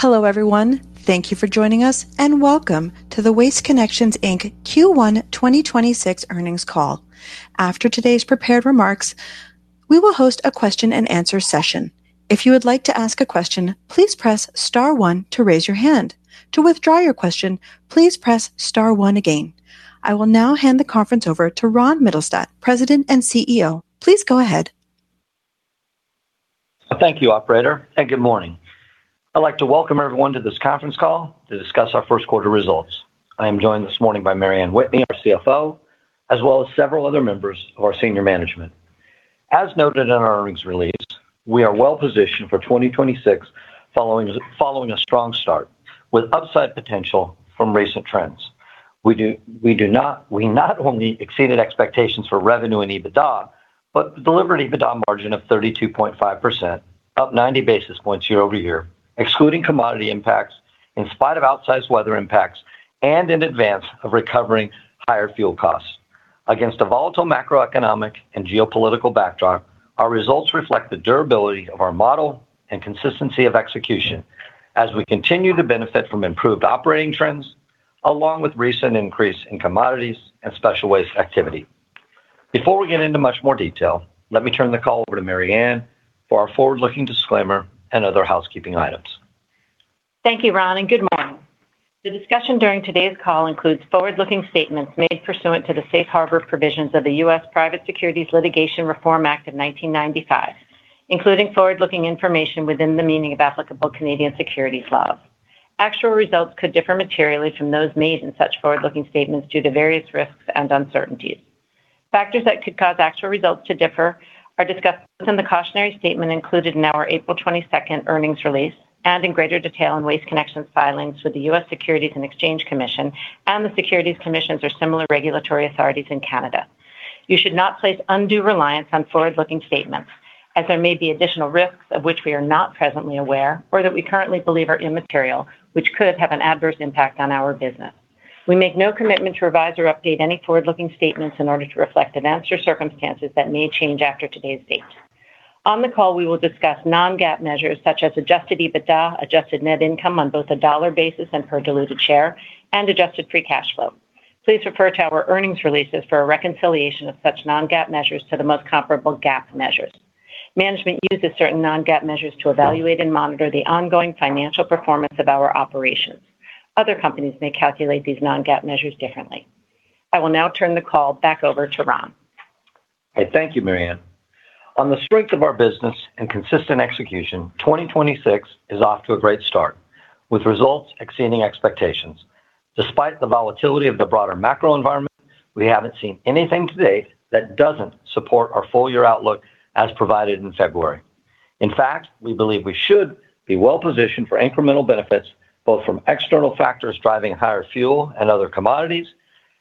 Hello everyone. Thank you for joining us, and welcome to the Waste Connections, Inc Q1 2026 earnings call. After today's prepared remarks, we will host a question and answer session. If you would like to ask a question, please press star one to raise your hand. To withdraw your question, please press star one again. I will now hand the conference over to Ronald Mittelstaedt, President and CEO. Please go ahead. Thank you, operator, and good morning. I'd like to welcome everyone to this conference call to discuss our first quarter results. I am joined this morning by Mary Anne Whitney, our CFO, as well as several other members of our senior management. As noted in our earnings release, we are well-positioned for 2026 following a strong start with upside potential from recent trends. We not only exceeded expectations for revenue and EBITDA, but delivered EBITDA margin of 32.5%, up 90 basis points year-over-year, excluding commodity impacts in spite of outsized weather impacts and in advance of recovering higher fuel costs. Against a volatile macroeconomic and geopolitical backdrop, our results reflect the durability of our model and consistency of execution as we continue to benefit from improved operating trends, along with recent increase in commodities and special waste activity. Before we get into much more detail, let me turn the call over to Mary Anne for our forward-looking disclaimer and other housekeeping items. Thank you, Ron, and good morning. The discussion during today's call includes forward-looking statements made pursuant to the Safe Harbor Provisions of the U.S. Private Securities Litigation Reform Act of 1995, including forward-looking information within the meaning of applicable Canadian securities laws. Actual results could differ materially from those made in such forward-looking statements due to various risks and uncertainties. Factors that could cause actual results to differ are discussed in the cautionary statement included in our April 22nd earnings release and in greater detail in Waste Connections filings with the U.S. Securities and Exchange Commission and the securities commissions or similar regulatory authorities in Canada. You should not place undue reliance on forward-looking statements as there may be additional risks of which we are not presently aware or that we currently believe are immaterial, which could have an adverse impact on our business. We make no commitment to revise or update any forward-looking statements in order to reflect events or circumstances that may change after today's date. On the call, we will discuss non-GAAP measures such as Adjusted EBITDA, Adjusted Net Income on both a dollar basis and per diluted share, and Adjusted Free Cash Flow. Please refer to our earnings releases for a reconciliation of such non-GAAP measures to the most comparable GAAP measures. Management uses certain non-GAAP measures to evaluate and monitor the ongoing financial performance of our operations. Other companies may calculate these non-GAAP measures differently. I will now turn the call back over to Ron. Thank you, Mary Anne. On the strength of our business and consistent execution, 2026 is off to a great start, with results exceeding expectations. Despite the volatility of the broader macro environment, we haven't seen anything to date that doesn't support our full-year outlook as provided in February. In fact, we believe we should be well-positioned for incremental benefits, both from external factors driving higher fuel and other commodities,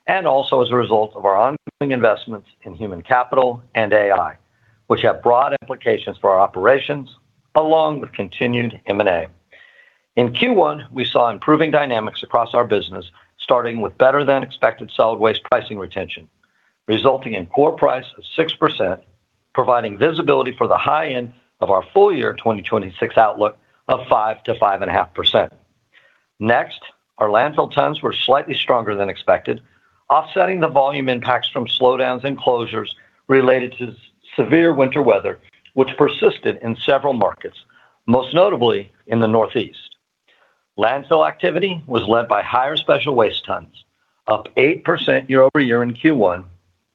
and also as a result of our ongoing investments in human capital and AI, which have broad implications for our operations, along with continued M&A. In Q1, we saw improving dynamics across our business, starting with better-than-expected solid waste pricing retention, resulting in core price of 6%, providing visibility for the high end of our full-year 2026 outlook of 5%-5.5%. Next, our landfill tons were slightly stronger than expected, offsetting the volume impacts from slowdowns and closures related to severe winter weather, which persisted in several markets, most notably in the Northeast. Landfill activity was led by higher special waste tons, up 8% year-over-year in Q1,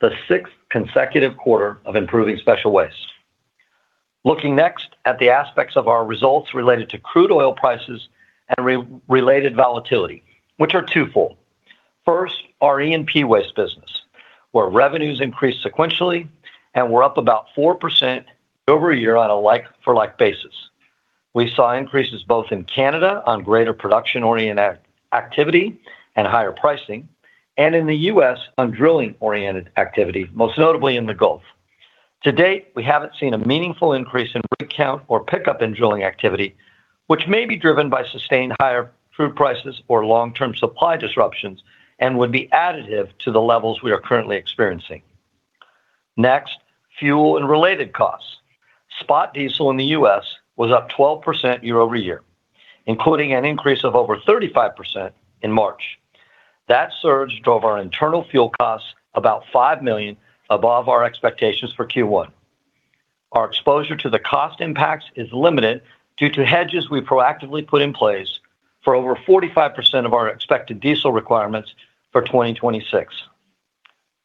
the sixth consecutive quarter of improving special waste. Looking next at the aspects of our results related to crude oil prices and related volatility, which are twofold. First, our E&P waste business, where revenues increased sequentially and were up about 4% year-over-year on a like-for-like basis. We saw increases both in Canada on greater production-oriented activity and higher pricing, and in the U.S. on drilling-oriented activity, most notably in the Gulf. To date, we haven't seen a meaningful increase in rig count or pickup in drilling activity, which may be driven by sustained higher crude prices or long-term supply disruptions and would be additive to the levels we are currently experiencing. Next, fuel and related costs. Spot diesel in the U.S. was up 12% year-over-year, including an increase of over 35% in March. That surge drove our internal fuel costs about $5 million above our expectations for Q1. Our exposure to the cost impacts is limited due to hedges we proactively put in place for over 45% of our expected diesel requirements for 2026.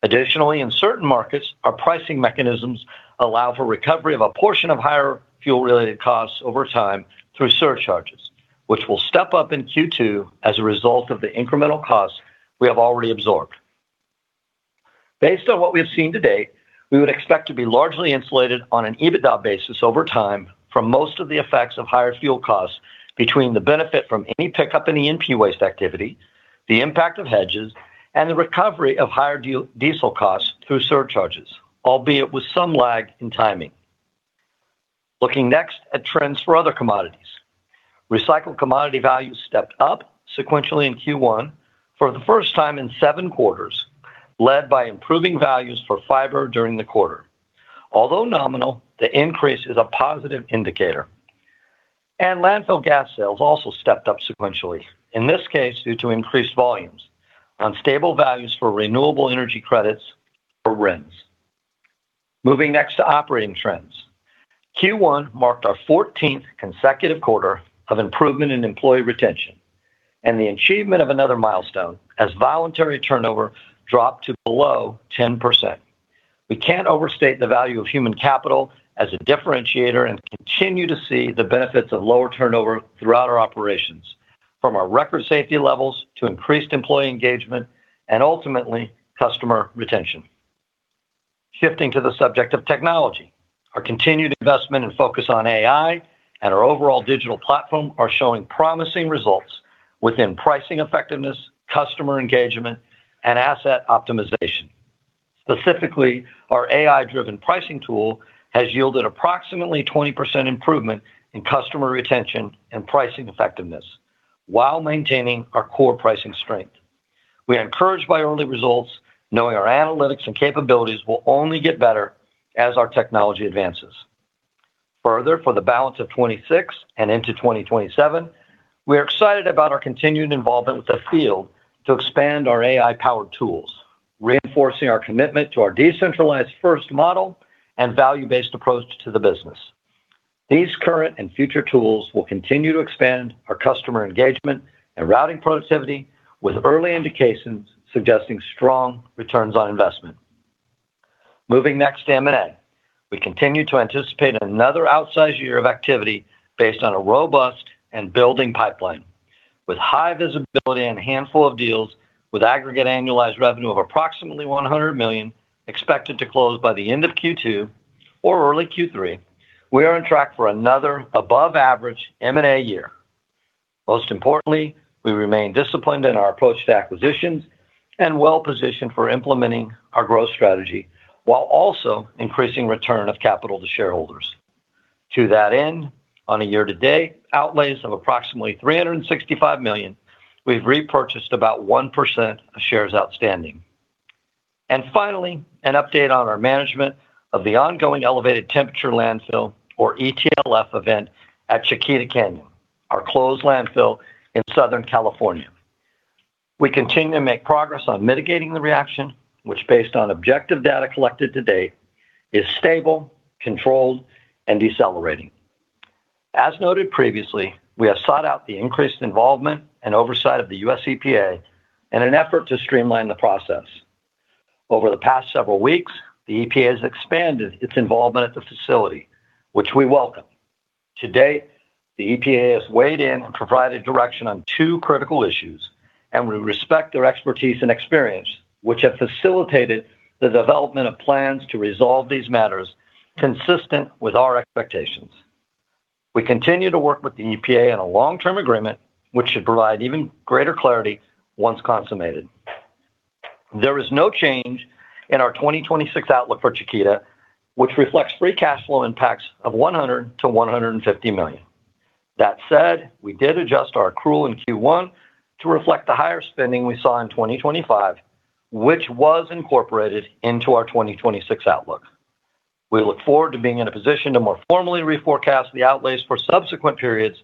Additionally, in certain markets, our pricing mechanisms allow for recovery of a portion of higher fuel-related costs over time through surcharges, which will step up in Q2 as a result of the incremental costs we have already absorbed. Based on what we have seen to date, we would expect to be largely insulated on an EBITDA basis over time from most of the effects of higher fuel costs between the benefit from any pickup in E&P waste activity, the impact of hedges, and the recovery of higher diesel costs through surcharges, albeit with some lag in timing. Looking next at trends for other commodities. Recycled commodity values stepped up sequentially in Q1 for the first time in seven quarters, led by improving values for fiber during the quarter. Although nominal, the increase is a positive indicator. Landfill gas sales also stepped up sequentially, in this case due to increased volumes on stable values for renewable energy credits or RINs. Moving next to operating trends. Q1 marked our 14th consecutive quarter of improvement in employee retention and the achievement of another milestone as voluntary turnover dropped to below 10%. We can't overstate the value of human capital as a differentiator and continue to see the benefits of lower turnover throughout our operations, from our record safety levels to increased employee engagement and ultimately customer retention. Shifting to the subject of technology. Our continued investment and focus on AI and our overall digital platform are showing promising results within pricing effectiveness, customer engagement, and asset optimization. Specifically, our AI-driven pricing tool has yielded approximately 20% improvement in customer retention and pricing effectiveness while maintaining our core pricing strength. We are encouraged by early results, knowing our analytics and capabilities will only get better as our technology advances. Further, for the balance of 2026 and into 2027, we are excited about our continued involvement with Field to expand our AI-powered tools, reinforcing our commitment to our decentralized-first model and value-based approach to the business. These current and future tools will continue to expand our customer engagement and routing productivity with early indications suggesting strong returns on investment. Moving next to M&A. We continue to anticipate another outsized year of activity based on a robust and building pipeline. With high visibility and a handful of deals with aggregate annualized revenue of approximately $100 million expected to close by the end of Q2 or early Q3, we are on track for another above-average M&A year. Most importantly, we remain disciplined in our approach to acquisitions and well-positioned for implementing our growth strategy while also increasing return of capital to shareholders. To that end, on a year to date, outlays of approximately $365 million, we've repurchased about 1% of shares outstanding. Finally, an update on our management of the ongoing elevated temperature landfill or ETLF event at Chiquita Canyon, our closed landfill in Southern California. We continue to make progress on mitigating the reaction, which, based on objective data collected to date, is stable, controlled, and decelerating. As noted previously, we have sought out the increased involvement and oversight of the U.S. EPA in an effort to streamline the process. Over the past several weeks, the EPA has expanded its involvement at the facility, which we welcome. To date, the EPA has weighed in and provided direction on two critical issues, and we respect their expertise and experience, which have facilitated the development of plans to resolve these matters consistent with our expectations. We continue to work with the EPA on a long-term agreement, which should provide even greater clarity once consummated. There is no change in our 2026 outlook for Chiquita, which reflects free cash flow impacts of $100 million-$150 million. That said, we did adjust our accrual in Q1 to reflect the higher spending we saw in 2025, which was incorporated into our 2026 outlook. We look forward to being in a position to more formally reforecast the outlays for subsequent periods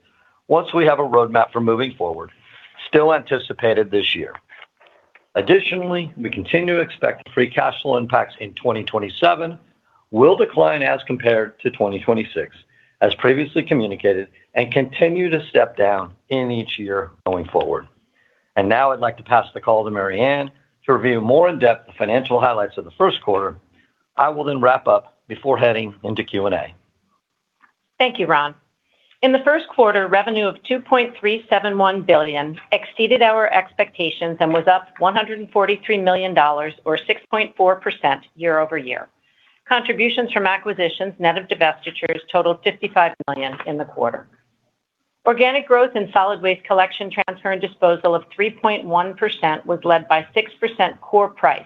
once we have a roadmap for moving forward, still anticipated this year. Additionally, we continue to expect free cash flow impacts in 2027 will decline as compared to 2026, as previously communicated, and continue to step down in each year going forward. Now I'd like to pass the call to Mary Anne to review more in-depth the financial highlights of the first quarter. I will then wrap up before heading into Q&A. Thank you, Ron. In the first quarter, revenue of $2.371 billion exceeded our expectations and was up $143 million or 6.4% year-over-year. Contributions from acquisitions net of divestitures totaled $55 million in the quarter. Organic growth in solid waste collection, transfer, and disposal of 3.1% was led by 6% core price,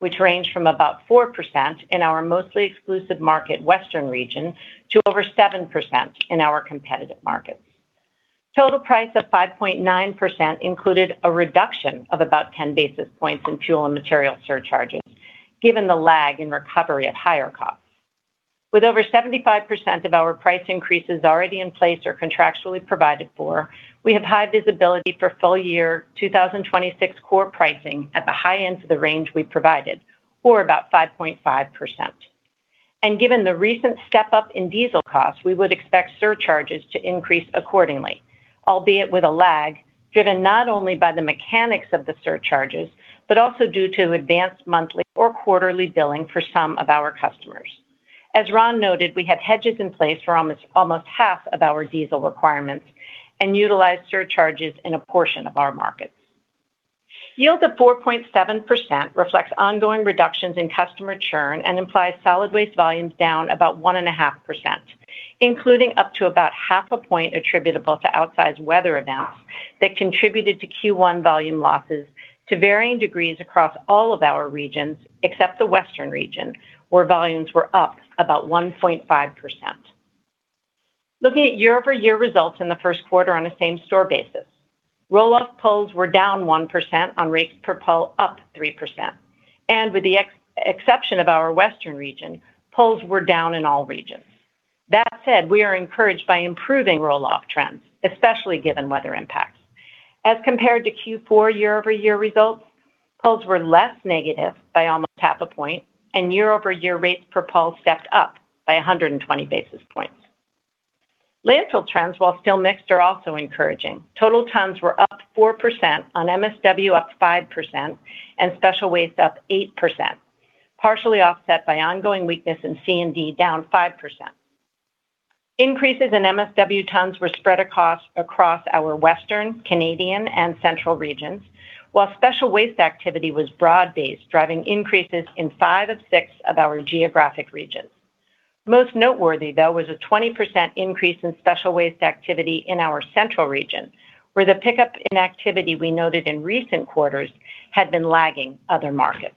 which ranged from about 4% in our mostly exclusive market Western Region to over 7% in our competitive markets. Total price of 5.9% included a reduction of about 10 basis points in fuel and material surcharges, given the lag in recovery at higher costs. With over 75% of our price increases already in place or contractually provided for, we have high visibility for full year 2026 core pricing at the high end of the range we provided, or about 5.5%. Given the recent step-up in diesel costs, we would expect surcharges to increase accordingly, albeit with a lag, driven not only by the mechanics of the surcharges, but also due to advanced monthly or quarterly billing for some of our customers. As Ron noted, we have hedges in place for almost half of our diesel requirements and utilize surcharges in a portion of our markets. Yield of 4.7% reflects ongoing reductions in customer churn and implies solid waste volumes down about 1.5%, including up to about half a point attributable to outsized weather events that contributed to Q1 volume losses to varying degrees across all of our regions except the Western Region, where volumes were up about 1.5%. Looking at year-over-year results in the first quarter on a same-store basis, roll-off pulls were down 1%, on rates per pull up 3%. With the exception of our Western Region, pulls were down in all regions. That said, we are encouraged by improving roll-off trends, especially given weather impacts. As compared to Q4 year-over-year results, pulls were less negative by almost half a point, and year-over-year rates per pull stepped up by 120 basis points. Landfill trends, while still mixed, are also encouraging. Total tons were up 4%, on MSW up 5%, and special waste up 8%, partially offset by ongoing weakness in C&D, down 5%. Increases in MSW tons were spread across our western, Canadian, and Central regions, while special waste activity was broad-based, driving increases in five of six of our geographic regions. Most noteworthy, though, was a 20% increase in special waste activity in our Central Region, where the pickup in activity we noted in recent quarters had been lagging other markets.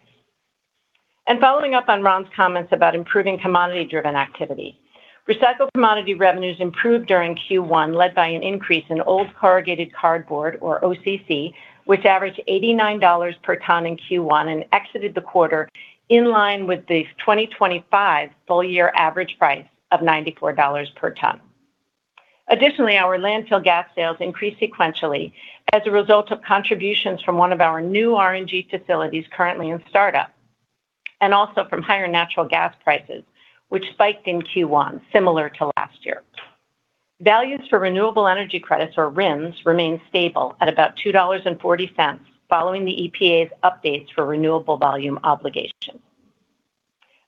Following up on Ron's comments about improving commodity-driven activity. Recycled commodity revenues improved during Q1, led by an increase in old corrugated cardboard, or OCC, which averaged $89 per ton in Q1 and exited the quarter in line with the 2025 full-year average price of $94 per ton. Additionally, our landfill gas sales increased sequentially as a result of contributions from one of our new RNG facilities currently in startup, and also from higher natural gas prices, which spiked in Q1, similar to last year. Values for renewable energy credits, or RINs, remain stable at about $2.40 following the EPA's updates for renewable volume obligations.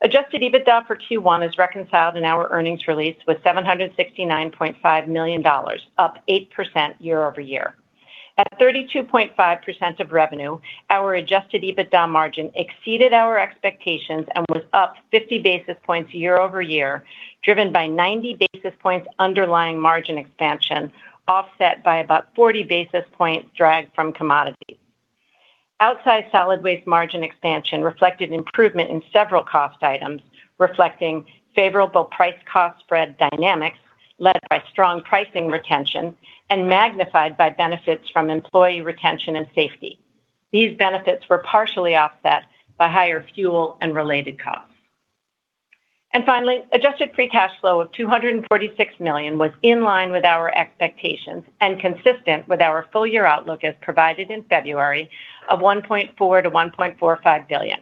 Adjusted EBITDA for Q1 is reconciled in our earnings release with $769.5 million, up 8% year-over-year. At 32.5% of revenue, our Adjusted EBITDA margin exceeded our expectations and was up 50 basis points year-over-year, driven by 90 basis points underlying margin expansion, offset by about 40 basis points dragged from commodities. Outsized solid waste margin expansion reflected improvement in several cost items, reflecting favorable price-cost spread dynamics led by strong pricing retention and magnified by benefits from employee retention and safety. These benefits were partially offset by higher fuel and related costs. Finally, Adjusted Free Cash Flow of $246 million was in line with our expectations and consistent with our full-year outlook as provided in February of $1.4 billion-$1.45 billion.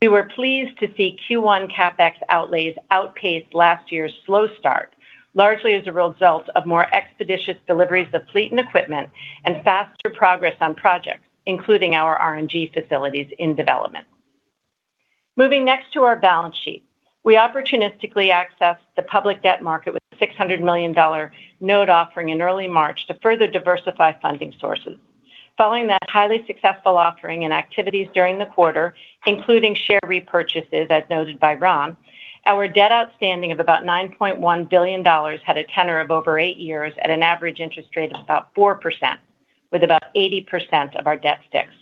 We were pleased to see Q1 CapEx outlays outpace last year's slow start, largely as a result of more expeditious deliveries of fleet and equipment and faster progress on projects, including our RNG facilities in development. Moving next to our balance sheet. We opportunistically accessed the public debt market with a $600 million note offering in early March to further diversify funding sources. Following that highly successful offering and activities during the quarter, including share repurchases, as noted by Ron, our debt outstanding of about $9.1 billion had a tenor of over eight years at an average interest rate of about 4%, with about 80% of our debt fixed.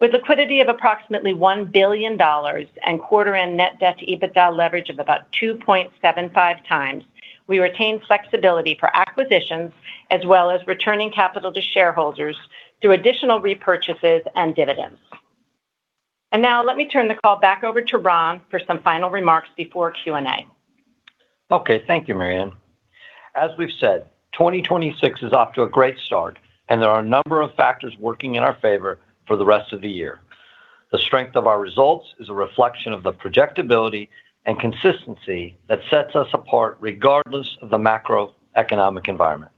With liquidity of approximately $1 billion and quarter-end net debt to EBITDA leverage of about 2.75x, we retain flexibility for acquisitions as well as returning capital to shareholders through additional repurchases and dividends. Now let me turn the call back over to Ron for some final remarks before Q&A. Okay. Thank you, Mary Anne. As we've said, 2026 is off to a great start, and there are a number of factors working in our favor for the rest of the year. The strength of our results is a reflection of the projectability and consistency that sets us apart regardless of the macroeconomic environment.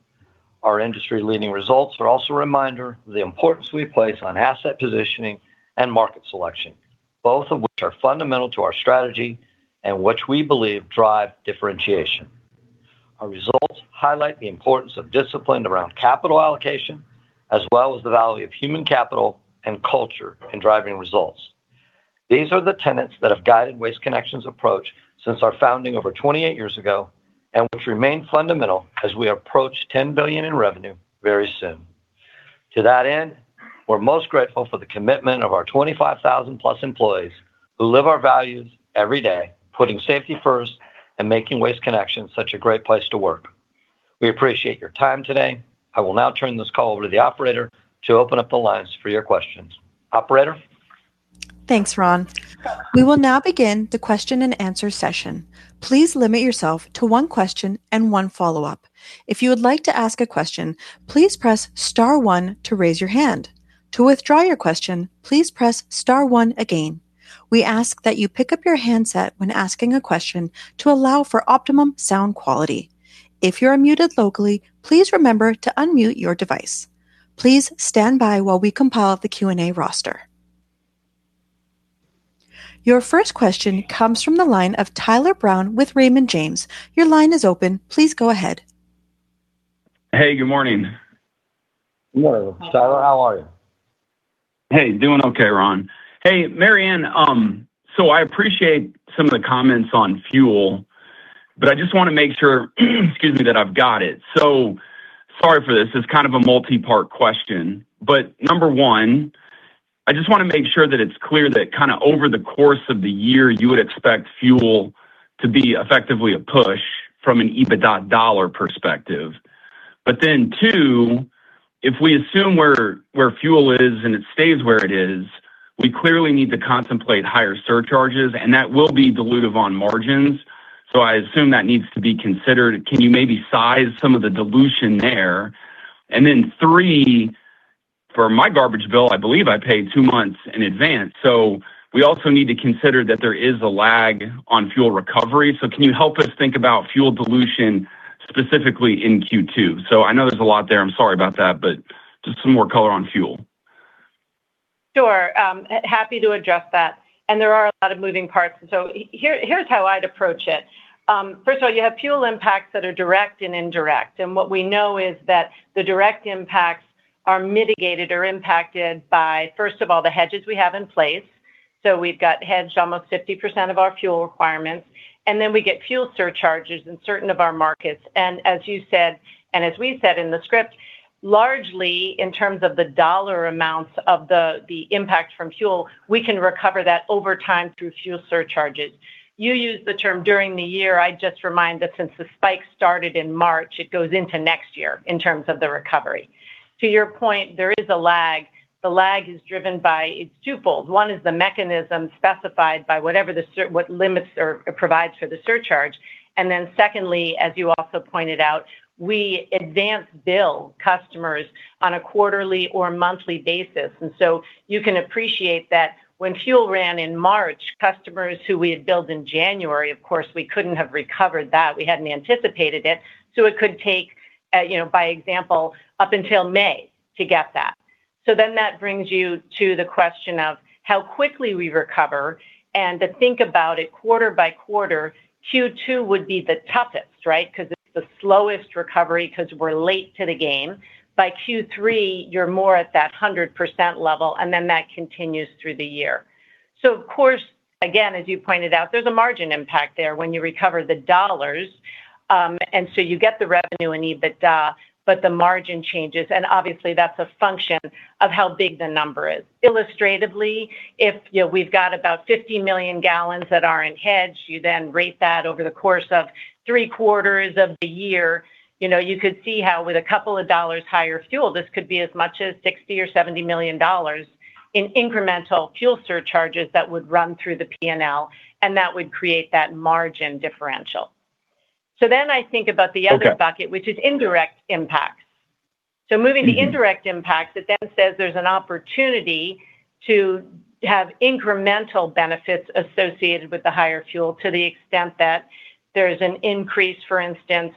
Our industry-leading results are also a reminder of the importance we place on asset positioning and market selection, both of which are fundamental to our strategy and which we believe drive differentiation. Our results highlight the importance of discipline around capital allocation, as well as the value of human capital and culture in driving results. These are the tenets that have guided Waste Connections' approach since our founding over 28 years ago and which remain fundamental as we approach $10 billion in revenue very soon. To that end, we're most grateful for the commitment of our 25,000+ employees who live our values every day, putting safety first and making Waste Connections such a great place to work. We appreciate your time today. I will now turn this call over to the operator to open up the lines for your questions. Operator? Thanks, Ron. We will now begin the question and answer session. Please limit yourself to one question and one follow-up. If you would like to ask a question, please press star one to raise your hand. To withdraw your question, please press star one again. We ask that you pick up your handset when asking a question to allow for optimum sound quality. If you are muted locally, please remember to unmute your device. Please stand by while we compile the Q&A roster. Your first question comes from the line of Tyler Brown with Raymond James. Your line is open. Please go ahead. Hey, good morning. Good morning, Tyler. How are you? Hey. Doing okay, Ron. Hey, Mary Anne, I appreciate some of the comments on fuel, but I just want to make sure, excuse me, that I've got it. Sorry for this. It's kind of a multi-part question. Number one, I just want to make sure that it's clear that over the course of the year, you would expect fuel to be effectively a push from an EBITDA dollar perspective. Then two, if we assume where fuel is and it stays where it is, we clearly need to contemplate higher surcharges, and that will be dilutive on margins. I assume that needs to be considered. Can you maybe size some of the dilution there? Then three, for my garbage bill, I believe I pay two months in advance. We also need to consider that there is a lag on fuel recovery. Can you help us think about fuel dilution specifically in Q2? I know there's a lot there, I'm sorry about that, but just some more color on fuel. Sure. Happy to address that. There are a lot of moving parts. Here's how I'd approach it. First of all, you have fuel impacts that are direct and indirect. What we know is that the direct impacts are mitigated or impacted by, first of all, the hedges we have in place. We've got hedged almost 50% of our fuel requirements, and then we get fuel surcharges in certain of our markets. As you said, and as we said in the script, largely in terms of the dollar amounts of the impact from fuel, we can recover that over time through fuel surcharges. You used the term during the year. I'd just remind that since the spike started in March, it goes into next year in terms of the recovery. To your point, there is a lag. The lag is driven by. It's twofold. One is the mechanism specified by what limits or provides for the surcharge. Secondly, as you also pointed out, we advance bill customers on a quarterly or monthly basis. You can appreciate that when fuel ran in March, customers who we had billed in January, of course, we couldn't have recovered that. We hadn't anticipated it. It could take, for example, up until May to get that. That brings you to the question of how quickly we recover, and to think about it quarter by quarter, Q2 would be the toughest, right? Because it's the slowest recovery because we're late to the game. By Q3, you're more at that 100% level, and then that continues through the year. Of course, again, as you also pointed out, there's a margin impact there when you recover the dollars. You get the revenue in EBITDA, but the margin changes. Obviously, that's a function of how big the number is. Illustratively, if we've got about 50 million gal that are in hedge, you then prorate that over the course of three quarters of the year. You could see how with a couple of dollars higher fuel, this could be as much as $60 million or $70 million in incremental fuel surcharges that would run through the P&L, and that would create that margin differential. I think about the other- Okay bucket, which is indirect impacts. Moving to indirect impacts, it then says there's an opportunity to have incremental benefits associated with the higher fuel to the extent that there's an increase, for instance,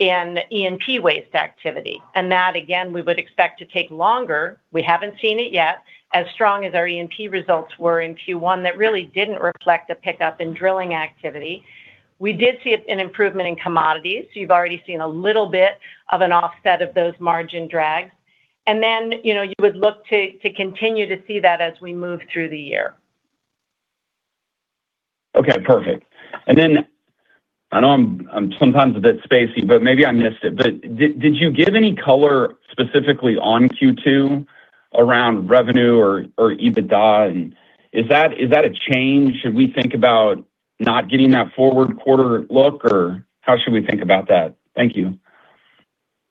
in E&P waste activity. That, again, we would expect to take longer. We haven't seen it yet. As strong as our E&P results were in Q1, that really didn't reflect a pickup in drilling activity. We did see an improvement in commodities. You've already seen a little bit of an offset of those margin drags. Then you would look to continue to see that as we move through the year. Okay, perfect. I know I'm sometimes a bit spacey, but maybe I missed it. Did you give any color specifically on Q2 around revenue or EBITDA? Is that a change? Should we think about not getting that forward quarter look, or how should we think about that? Thank you.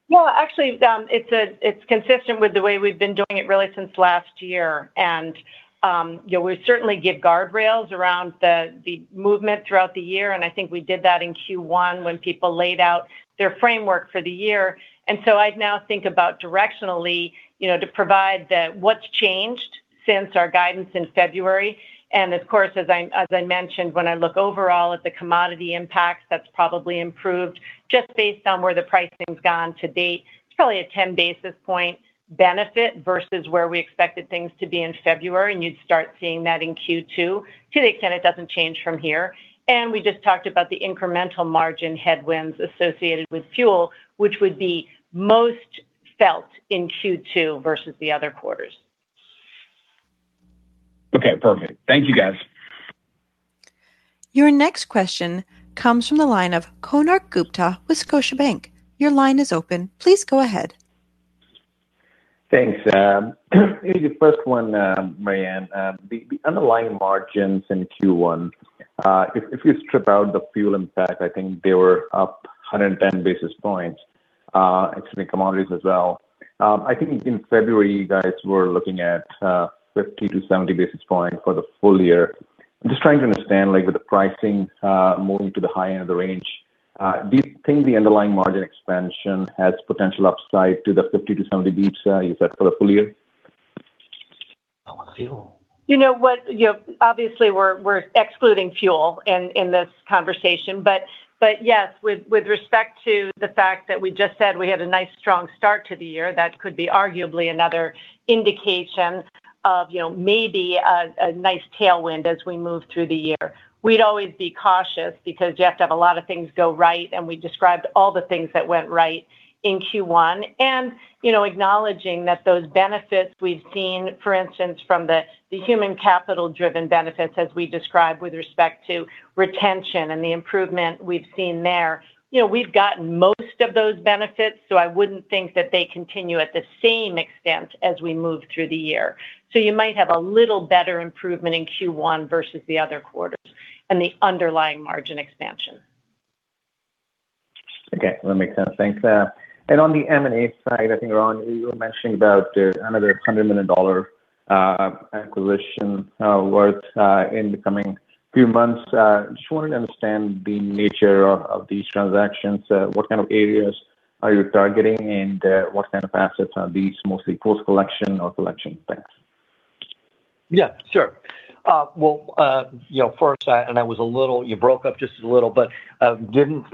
Well, actually, it's consistent with the way we've been doing it really since last year. We certainly give guardrails around the movement throughout the year, and I think we did that in Q1 when people laid out their framework for the year. I'd now think about directionally, to provide what's changed since our guidance in February. Of course, as I mentioned, when I look overall at the commodity impacts, that's probably improved just based on where the pricing's gone to date. It's probably a 10 basis point benefit versus where we expected things to be in February, and you'd start seeing that in Q2 to the extent it doesn't change from here. We just talked about the incremental margin headwinds associated with fuel, which would be most felt in Q2 versus the other quarters. Okay, perfect. Thank you, guys. Your next question comes from the line of Konark Gupta with Scotiabank. Your line is open. Please go ahead. Thanks. Maybe the first one, Mary Anne. The underlying margins in Q1, if you strip out the fuel impact, I think they were up 110 basis points, excuse me, commodities as well. I think in February, you guys were looking at 50-70 basis points for the full year. I'm just trying to understand, with the pricing moving to the high end of the range, do you think the underlying margin expansion has potential upside to the 50-70 basis points you said for the full year? Obviously, we're excluding fuel in this conversation. Yes, with respect to the fact that we just said we had a nice, strong start to the year, that could be arguably another indication of maybe a nice tailwind as we move through the year. We'd always be cautious because you have to have a lot of things go right, and we described all the things that went right in Q1. Acknowledging that those benefits we've seen, for instance, from the human capital-driven benefits as we described with respect to retention and the improvement we've seen there, we've gotten most of those benefits, so I wouldn't think that they continue at the same extent as we move through the year. You might have a little better improvement in Q1 versus the other quarters and the underlying margin expansion. Okay, that makes sense. Thanks. On the M&A side, I think, Ron, you were mentioning about another $100 million acquisition worth in the coming few months. Just want to understand the nature of these transactions. What kind of areas are you targeting, and what kind of assets are these, mostly post-collection or collection? Thanks. Yeah, sure. Well, first, you broke up just a little, but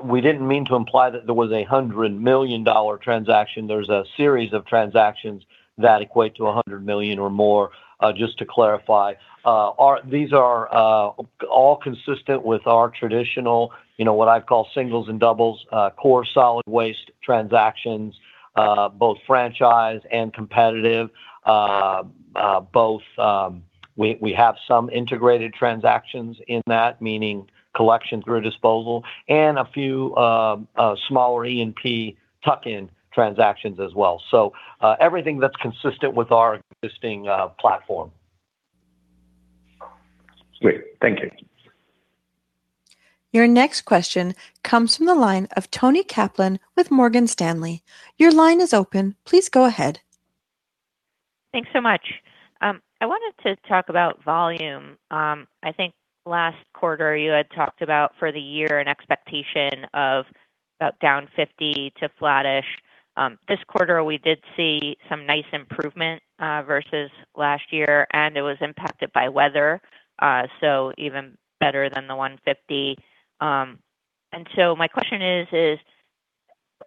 we didn't mean to imply that there was a $100 million transaction. There's a series of transactions that equate to $100 million or more, just to clarify. These are all consistent with our traditional, what I'd call singles and doubles, core solid waste transactions, both franchise and competitive. We have some integrated transactions in that, meaning collection through disposal, and a few smaller E&P tuck-in transactions as well. Everything that's consistent with our existing platform. Great. Thank you. Your next question comes from the line of Toni Kaplan with Morgan Stanley. Your line is open. Please go ahead. Thanks so much. I wanted to talk about volume. I think last quarter you had talked about for the year an expectation of about down 5.0% to flattish. This quarter, we did see some nice improvement versus last year, and it was impacted by weather, so even better than the 1.5%. My question is,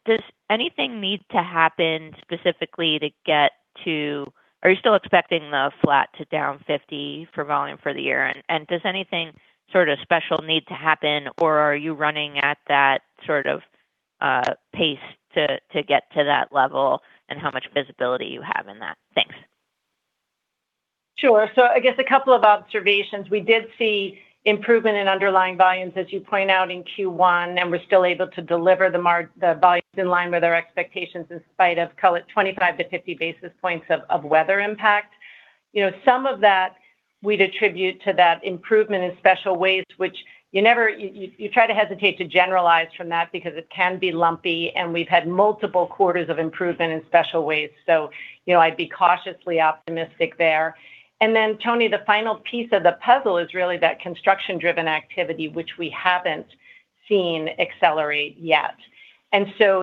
does anything need to happen specifically to get to that? Are you still expecting the flat to down 5.0% for volume for the year? Does anything sort of special need to happen, or are you running at that sort of pace to get to that level, and how much visibility you have in that? Thanks. Sure. I guess a couple of observations. We did see improvement in underlying volumes, as you point out, in Q1, and we're still able to deliver the volumes in line with our expectations in spite of, call it, 25-50 basis points of weather impact. Some of that we'd attribute to that improvement in special waste, which you try to hesitate to generalize from that because it can be lumpy, and we've had multiple quarters of improvement in special waste. I'd be cautiously optimistic there. Toni, the final piece of the puzzle is really that construction-driven activity, which we haven't seen accelerate yet.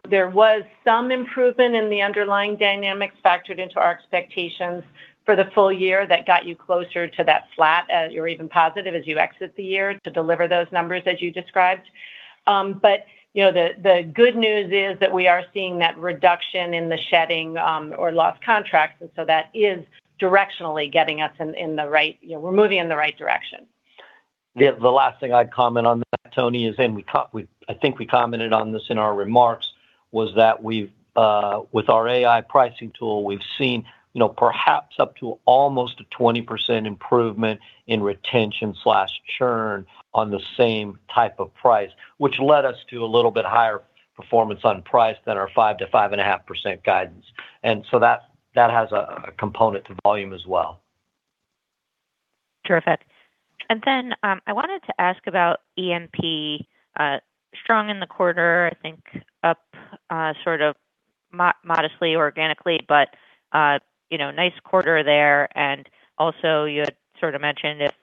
There was some improvement in the underlying dynamics factored into our expectations for the full year that got you closer to that flat or even positive as you exit the year to deliver those numbers as you described. The good news is that we are seeing that reduction in the shedding or lost contracts, and so that is directionally getting us in the right direction. The last thing I'd comment on that, Toni, I think we commented on this in our remarks, was that with our AI pricing tool, we've seen perhaps up to almost a 20% improvement in retention/churn on the same type of price, which led us to a little bit higher performance on price than our 5%-5.5% guidance. That has a component to volume as well. Terrific. I wanted to ask about E&P. Strong in the quarter, I think up sort of modestly, organically, but nice quarter there, and also you had sort of mentioned if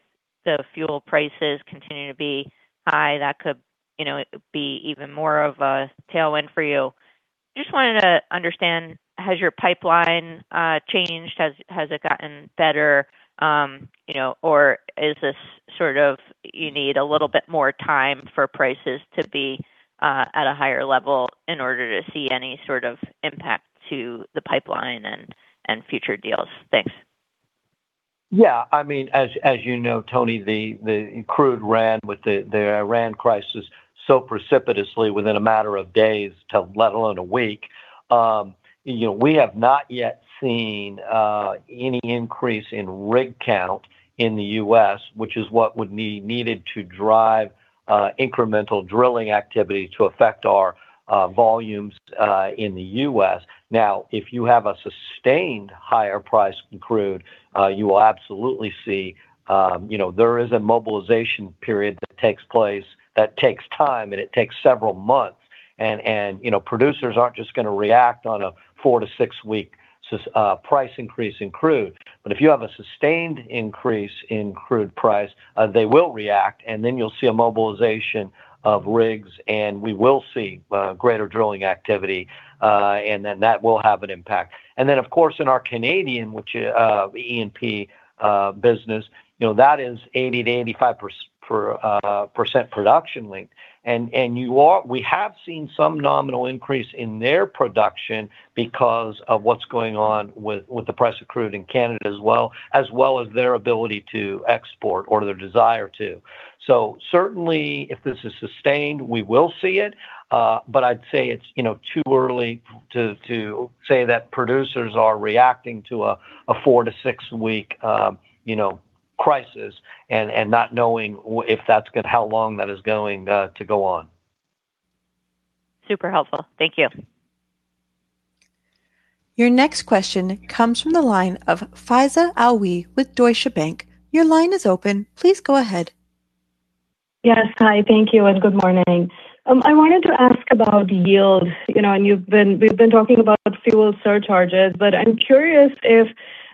the fuel prices continue to be high, that could be even more of a tailwind for you. Just wanted to understand, has your pipeline changed? Has it gotten better? Or is this sort of, you need a little bit more time for prices to be at a higher level in order to see any sort of impact to the pipeline and future deals? Thanks. Yeah. As you know, Toni, the crude ran with the Iran crisis so precipitously within a matter of days to let alone a week. We have not yet seen any increase in rig count in the U.S., which is what would be needed to drive incremental drilling activity to affect our volumes in the U.S. Now, if you have a sustained higher price in crude, you will absolutely see there is a mobilization period that takes place, that takes time, and it takes several months. Producers aren't just going to react on a four- to six-week price increase in crude. If you have a sustained increase in crude price, they will react, and then you'll see a mobilization of rigs, and we will see greater drilling activity, and then that will have an impact. Then, of course, in our Canadian E&P business, that is 80%-85% production-linked. We have seen some nominal increase in their production because of what's going on with the price of crude in Canada as well as their ability to export or their desire to. Certainly, if this is sustained, we will see it. I'd say it's too early to say that producers are reacting to a four- to six-week crisis and not knowing how long that is going to go on. Super helpful. Thank you. Your next question comes from the line of Faiza Alwy with Deutsche Bank. Your line is open. Please go ahead. Yes. Hi, thank you and good morning. I wanted to ask about yield. We've been talking about fuel surcharges, but I'm curious if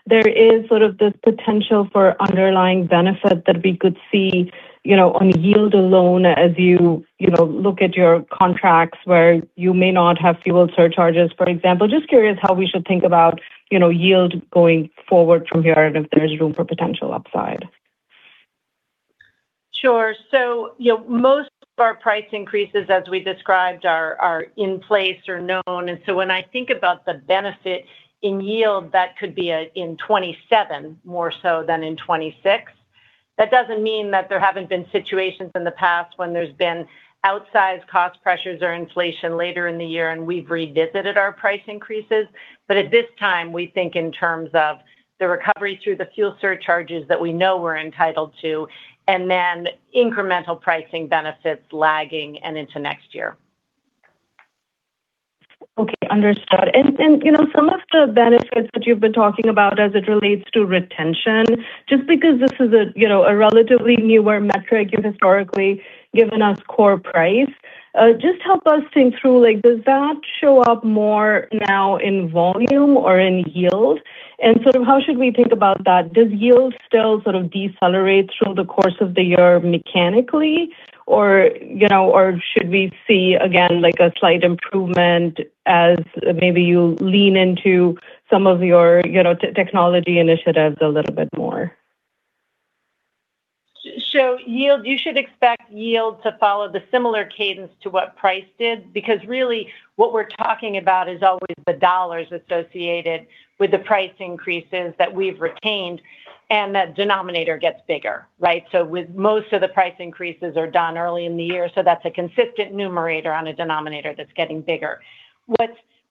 there is sort of this potential for underlying benefit that we could see, on yield alone as you look at your contracts where you may not have fuel surcharges, for example. Just curious how we should think about yield going forward from here and if there's room for potential upside. Sure. Most of our price increases, as we described, are in place or known. When I think about the benefit in yield, that could be in 2027 more so than in 2026. That doesn't mean that there haven't been situations in the past when there's been outsized cost pressures or inflation later in the year, and we've revisited our price increases. At this time, we think in terms of the recovery through the fuel surcharges that we know we're entitled to, and then incremental pricing benefits lagging and into next year. Okay, understood. Some of the benefits that you've been talking about as it relates to retention, just because this is a relatively newer metric, you've historically given us core price. Just help us think through, does that show up more now in volume or in yield? Sort of how should we think about that? Does yield still sort of decelerate through the course of the year mechanically? Should we see again, a slight improvement as maybe you lean into some of your technology initiatives a little bit more? Yield, you should expect yield to follow the similar cadence to what price did. Because really what we're talking about is always the dollars associated with the price increases that we've retained, and that denominator gets bigger, right? With most of the price increases are done early in the year, so that's a consistent numerator on a denominator that's getting bigger.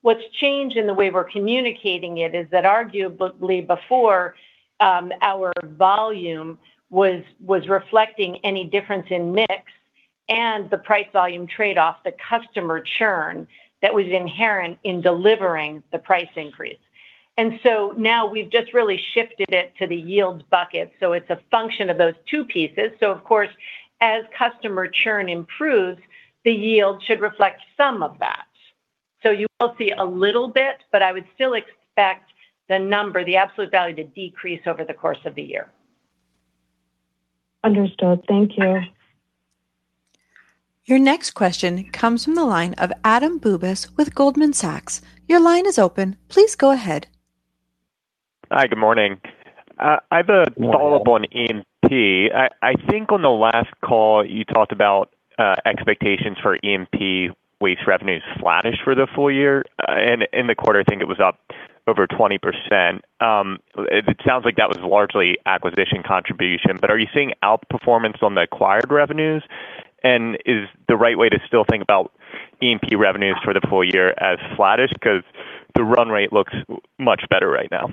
What's changed in the way we're communicating it is that arguably before, our volume was reflecting any difference in mix and the price-volume tradeoff, the customer churn that was inherent in delivering the price increase. Now we've just really shifted it to the yield bucket. It's a function of those two pieces. Of course, as customer churn improves, the yield should reflect some of that. You will see a little bit, but I would still expect the number, the absolute value, to decrease over the course of the year. Understood. Thank you. Your next question comes from the line of Adam Bubes with Goldman Sachs. Your line is open. Please go ahead. Hi, good morning. Good morning. I have a follow-up on E&P. I think on the last call, you talked about expectations for E&P waste revenues flattish for the full year. In the quarter, I think it was up over 20%. It sounds like that was largely acquisition contribution, but are you seeing outperformance on the acquired revenues? Is the right way to still think about E&P revenues for the full year as flattish? Because the run rate looks much better right now.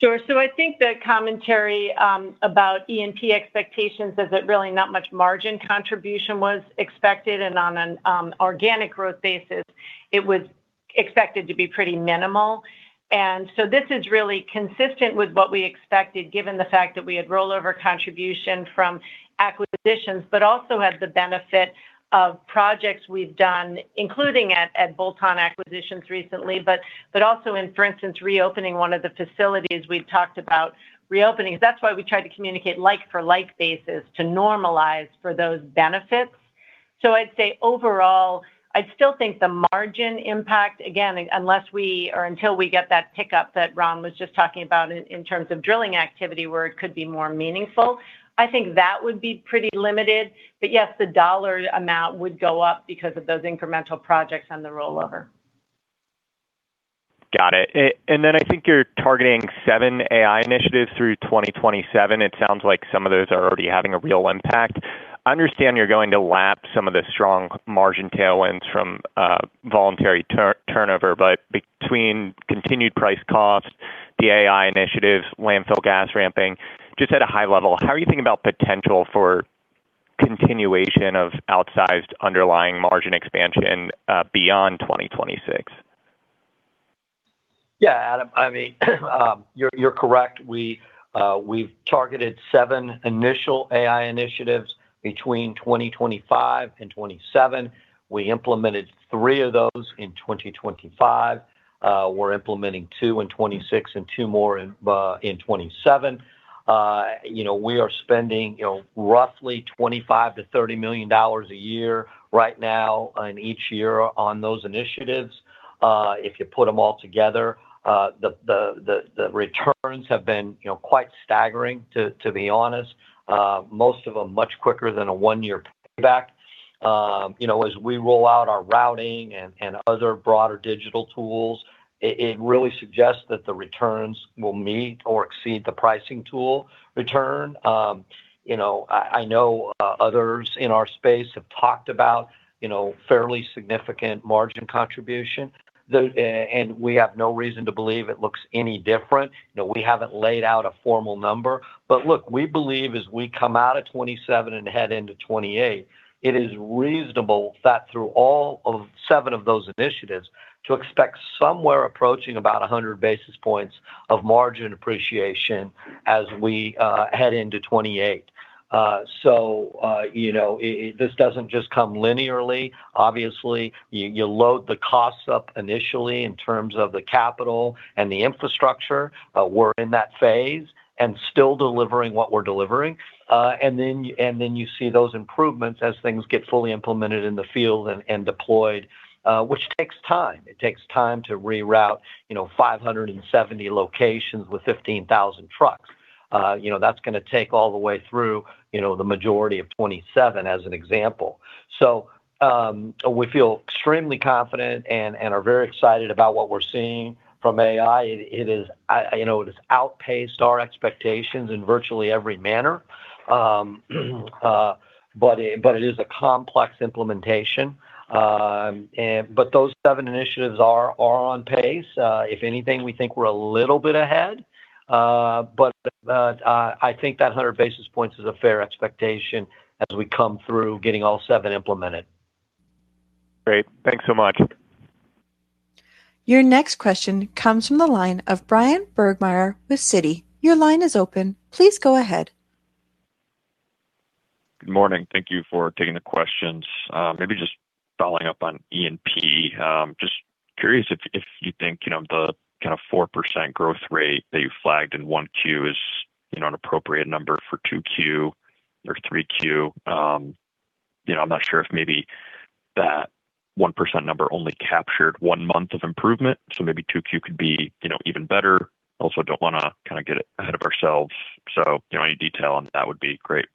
Sure. I think the commentary about E&P expectations is that really not much margin contribution was expected, and on an organic growth basis, it was expected to be pretty minimal. This is really consistent with what we expected, given the fact that we had rollover contribution from acquisitions, but also had the benefit of projects we've done, including at bolt-on acquisitions recently, but also in, for instance, reopening one of the facilities we've talked about reopening. That's why we tried to communicate like-for-like basis to normalize for those benefits. I'd say overall, I still think the margin impact, again, unless we or until we get that pickup that Ron was just talking about in terms of drilling activity, where it could be more meaningful, I think that would be pretty limited. Yes, the dollar amount would go up because of those incremental projects on the rollover. Got it. I think you're targeting seven AI initiatives through 2027. It sounds like some of those are already having a real impact. I understand you're going to lap some of the strong margin tailwinds from voluntary turnover, but between continued price cost, the AI initiatives, landfill gas ramping, just at a high level, how are you thinking about potential for continuation of outsized underlying margin expansion beyond 2026? Yeah. Adam, you're correct. We've targeted seven initial AI initiatives between 2025 and 2027. We implemented three of those in 2025. We're implementing two in 2026 and two more in 2027. We are spending roughly $25 million-$30 million a year right now in each year on those initiatives. If you put them all together, the returns have been quite staggering to be honest. Most of them much quicker than a one-year payback. As we roll out our routing and other broader digital tools, it really suggests that the returns will meet or exceed the pricing tool return. I know others in our space have talked about fairly significant margin contribution. We have no reason to believe it looks any different. We haven't laid out a formal number. Look, we believe as we come out of 2027 and head into 2028, it is reasonable that through all of seven of those initiatives to expect somewhere approaching about 100 basis points of margin appreciation as we head into 2028. This doesn't just come linearly. Obviously, you load the costs up initially in terms of the capital and the infrastructure, but we're in that phase and still delivering what we're delivering. Then you see those improvements as things get fully implemented in the field and deployed, which takes time. It takes time to reroute 570 locations with 15,000 trucks. That's going to take all the way through the majority of 2027, as an example. We feel extremely confident and are very excited about what we're seeing from AI. It has outpaced our expectations in virtually every manner, but it is a complex implementation. Those seven initiatives are on pace. If anything, we think we're a little bit ahead. I think that 100 basis points is a fair expectation as we come through getting all seven implemented. Great. Thanks so much. Your next question comes from the line of Bryan Burgmeier with Citi. Your line is open. Please go ahead. Good morning. Thank you for taking the questions. Maybe just following up on E&P. Just curious if you think the 4% growth rate that you flagged in 1Q is an appropriate number for 2Q or 3Q. I'm not sure if maybe that 1% number only captured one month of improvement, so maybe 2Q could be even better. Also don't want to get ahead of ourselves, so any detail on that would be great.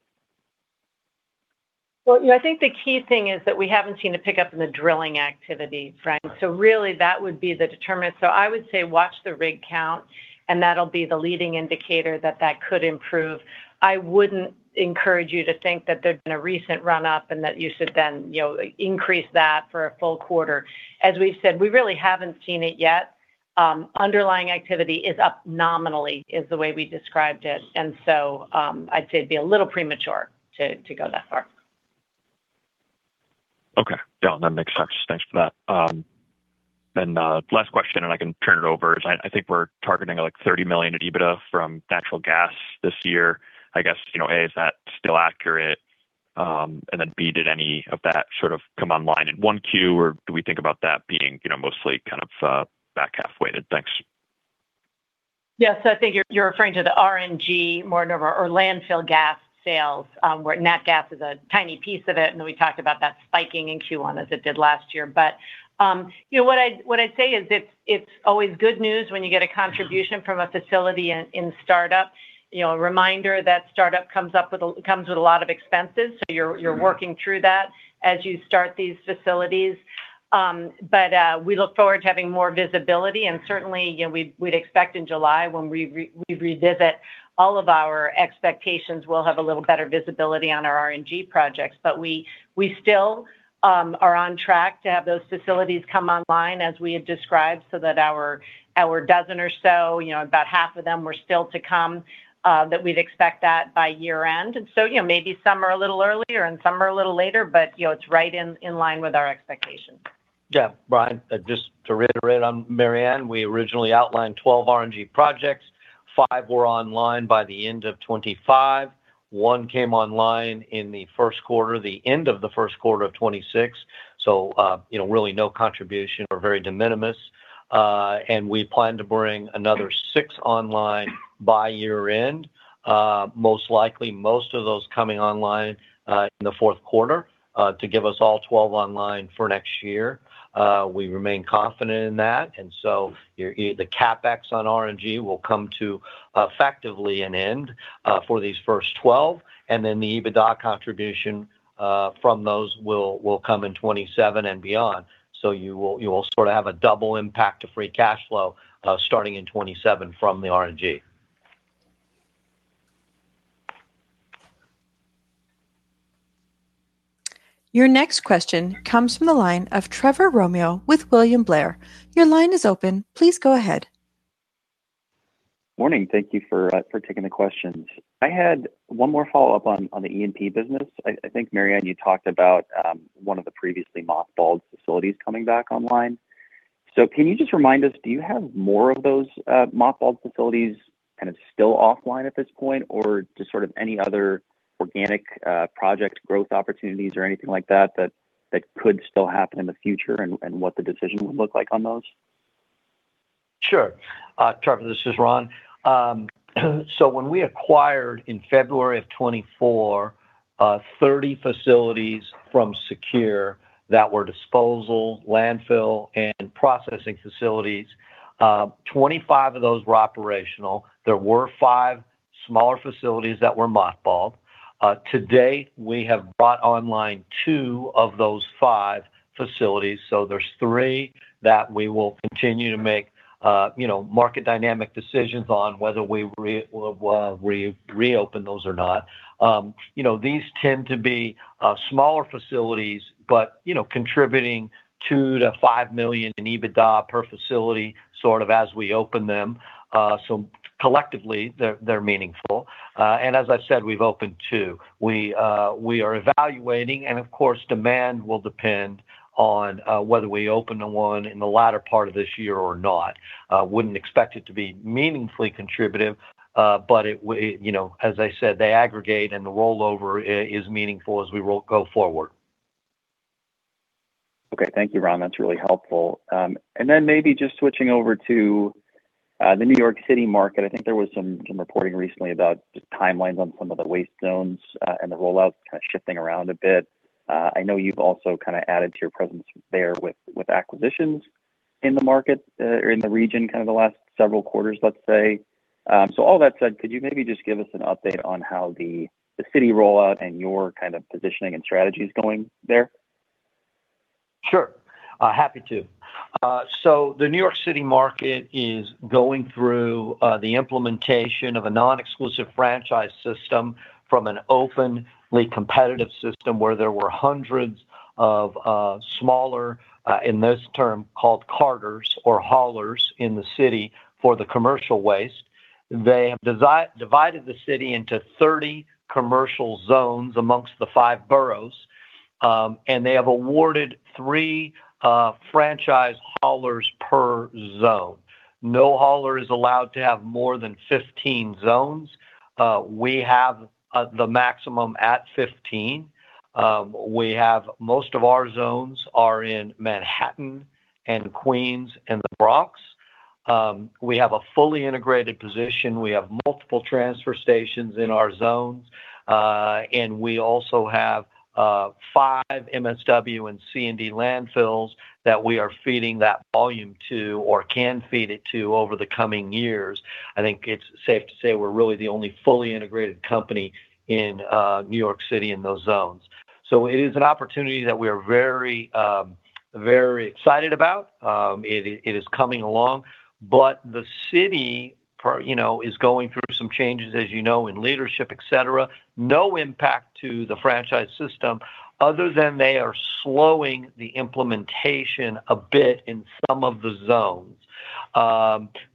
Well, I think the key thing is that we haven't seen a pickup in the drilling activity, frankly. Really that would be the determinant. I would say watch the rig count, and that'll be the leading indicator that that could improve. I wouldn't encourage you to think that there's been a recent run up and that you should then increase that for a full quarter. As we've said, we really haven't seen it yet. Underlying activity is up nominally is the way we described it, and so, I'd say it'd be a little premature to go that far. Okay. Yeah, that makes sense. Thanks for that. Last question, and I can turn it over, is I think we're targeting like $30 million in EBITDA from natural gas this year. I guess, A, is that still accurate? And then B, did any of that sort of come online in Q1, or do we think about that being mostly kind of, back half weighted? Thanks. Yes. I think you're referring to the RNG revenue number or landfill gas sales, where nat gas is a tiny piece of it. Then we talked about that spiking in Q1 as it did last year. What I'd say is it's always good news when you get a contribution from a facility in startup. A reminder that startup comes with a lot of expenses, so you're working through that as you start these facilities. We look forward to having more visibility, and certainly, we'd expect in July when we revisit all of our expectations, we'll have a little better visibility on our RNG projects. We still are on track to have those facilities come online as we had described, so that our dozen or so, about half of them were still to come, that we'd expect that by year-end. Maybe some are a little earlier and some are a little later, but it's right in line with our expectations. Yeah. Bryan, just to reiterate on Mary Anne, we originally outlined 12 RNG projects. Five were online by the end of 2025. One came online in the first quarter, the end of the first quarter of 2026. Really no contribution or very de minimis. We plan to bring another six online by year-end. Most likely, most of those coming online in the fourth quarter, to give us all 12 online for next year. We remain confident in that, and so the CapEx on RNG will come to effectively an end for these first 12, and then the EBITDA contribution from those will come in 2027 and beyond. You will sort of have a double impact to free cash flow, starting in 2027 from the RNG. Your next question comes from the line of Trevor Romeo with William Blair. Your line is open. Please go ahead. Morning. Thank you for taking the questions. I had one more follow-up on the E&P business. I think, Mary Anne, you talked about one of the previously mothballed facilities coming back online. Can you just remind us, do you have more of those mothballed facilities kind of still offline at this point, or just sort of any other organic project growth opportunities or anything like that could still happen in the future and what the decision would look like on those? Sure. Trevor, this is Ron. When we acquired in February of 2024, 30 facilities from Secure that were disposal, landfill, and processing facilities, 25 of those were operational. There were five smaller facilities that were mothballed. To date, we have brought online two of those five facilities. There's three that we will continue to make market dynamic decisions on whether we reopen those or not. These tend to be smaller facilities, but contributing $2 million-$5 million in EBITDA per facility, sort of as we open them. Collectively, they're meaningful. As I said, we've opened two. We are evaluating and, of course, demand will depend on whether we open the one in the latter part of this year or not. Wouldn't expect it to be meaningfully contributive, but as I said, they aggregate, and the rollover is meaningful as we go forward. Okay. Thank you, Ron. That's really helpful. Maybe just switching over to the New York City market, I think there was some reporting recently about just timelines on some of the waste zones and the rollouts kind of shifting around a bit. I know you've also kind of added to your presence there with acquisitions in the market or in the region, kind of the last several quarters, let's say. All that said, could you maybe just give us an update on how the city rollout and your kind of positioning and strategy is going there? Sure. Happy to. The New York City market is going through the implementation of a non-exclusive franchise system from an openly competitive system where there were hundreds of smaller, in this term, called carters or haulers in the city for the commercial waste. They have divided the city into 30 commercial zones among the five boroughs, and they have awarded three franchise haulers per zone. No hauler is allowed to have more than 15 zones. We have the maximum at 15. Most of our zones are in Manhattan and Queens and the Bronx. We have a fully integrated position. We have multiple transfer stations in our zones. We also have five MSW and C&D landfills that we are feeding that volume to or can feed it to over the coming years. I think it's safe to say we're really the only fully integrated company in New York City in those zones. It is an opportunity that we are very excited about. It is coming along, but the city is going through some changes, as you know, in leadership, et cetera. No impact to the franchise system other than they are slowing the implementation a bit in some of the zones,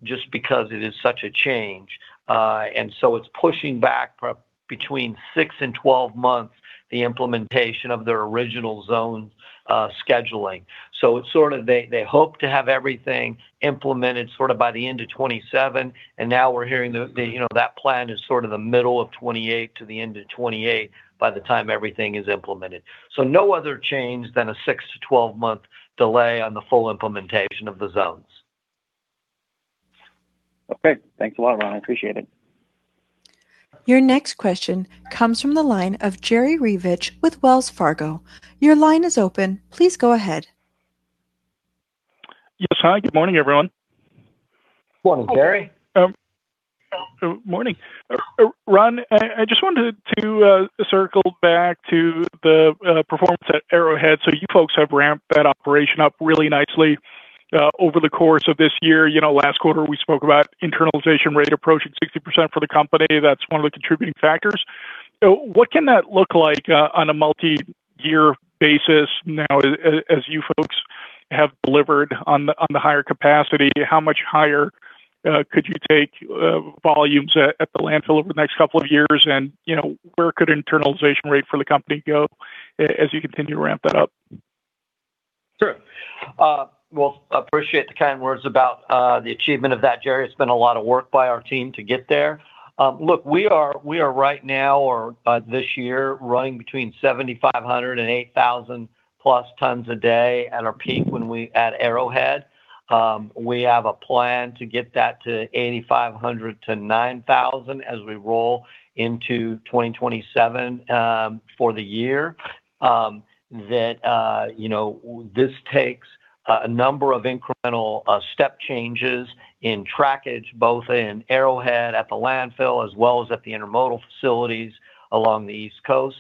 just because it is such a change. It's pushing back between six and 12 months the implementation of their original zone scheduling. They hope to have everything implemented sort of by the end of 2027, and now we're hearing that plan is sort of the middle of 2028 to the end of 2028 by the time everything is implemented. No other change than a six- to 12-month delay on the full implementation of the zones. Okay. Thanks a lot, Ron. I appreciate it. Your next question comes from the line of Jerry Revich with Wells Fargo. Your line is open. Please go ahead. Yes. Hi, good morning, everyone. Morning, Jerry. Morning. Ron, I just wanted to circle back to the performance at Arrowhead. You folks have ramped that operation up really nicely, over the course of this year. Last quarter, we spoke about internalization rate approaching 60% for the company. That's one of the contributing factors. What can that look like on a multi-year basis now, as you folks have delivered on the higher capacity? How much higher could you take volumes at the landfill over the next couple of years? Where could internalization rate for the company go as you continue to ramp that up? Sure. Well, appreciate the kind words about the achievement of that, Jerry. It's been a lot of work by our team to get there. Look, we are right now or this year, running between 7,500 and 8,000+ tons a day at our peak at Arrowhead. We have a plan to get that to 8,500-9,000 as we roll into 2027 for the year. This takes a number of incremental step changes in trackage, both in Arrowhead at the landfill, as well as at the intermodal facilities along the East Coast.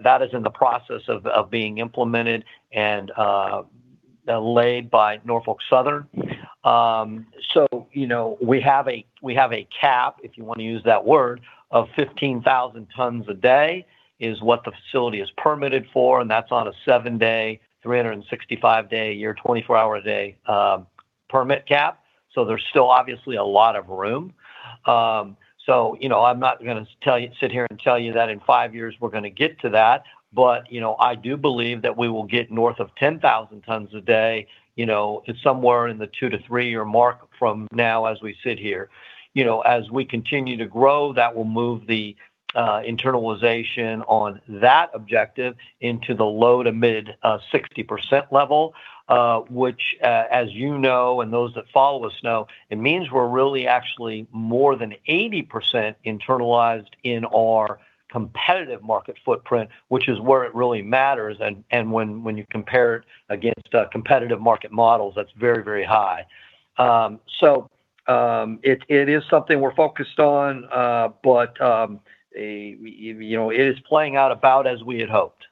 That is in the process of being implemented and laid by Norfolk Southern. We have a cap, if you want to use that word, of 15,000 tons a day is what the facility is permitted for, and that's on a seven-day, 365-day a year, 24 hours a day permit cap. There's still obviously a lot of room. I'm not going to sit here and tell you that in five years we're going to get to that, but I do believe that we will get north of 10,000 tons a day, somewhere in the two- to three-year mark from now as we sit here. As we continue to grow, that will move the internalization on that objective into the low-to-mid 60% level, which, as you know, and those that follow us know, it means we're really actually more than 80% internalized in our competitive market footprint, which is where it really matters. When you compare it against competitive market models, that's very, very high. It is something we're focused on, but it is playing out about as we had hoped.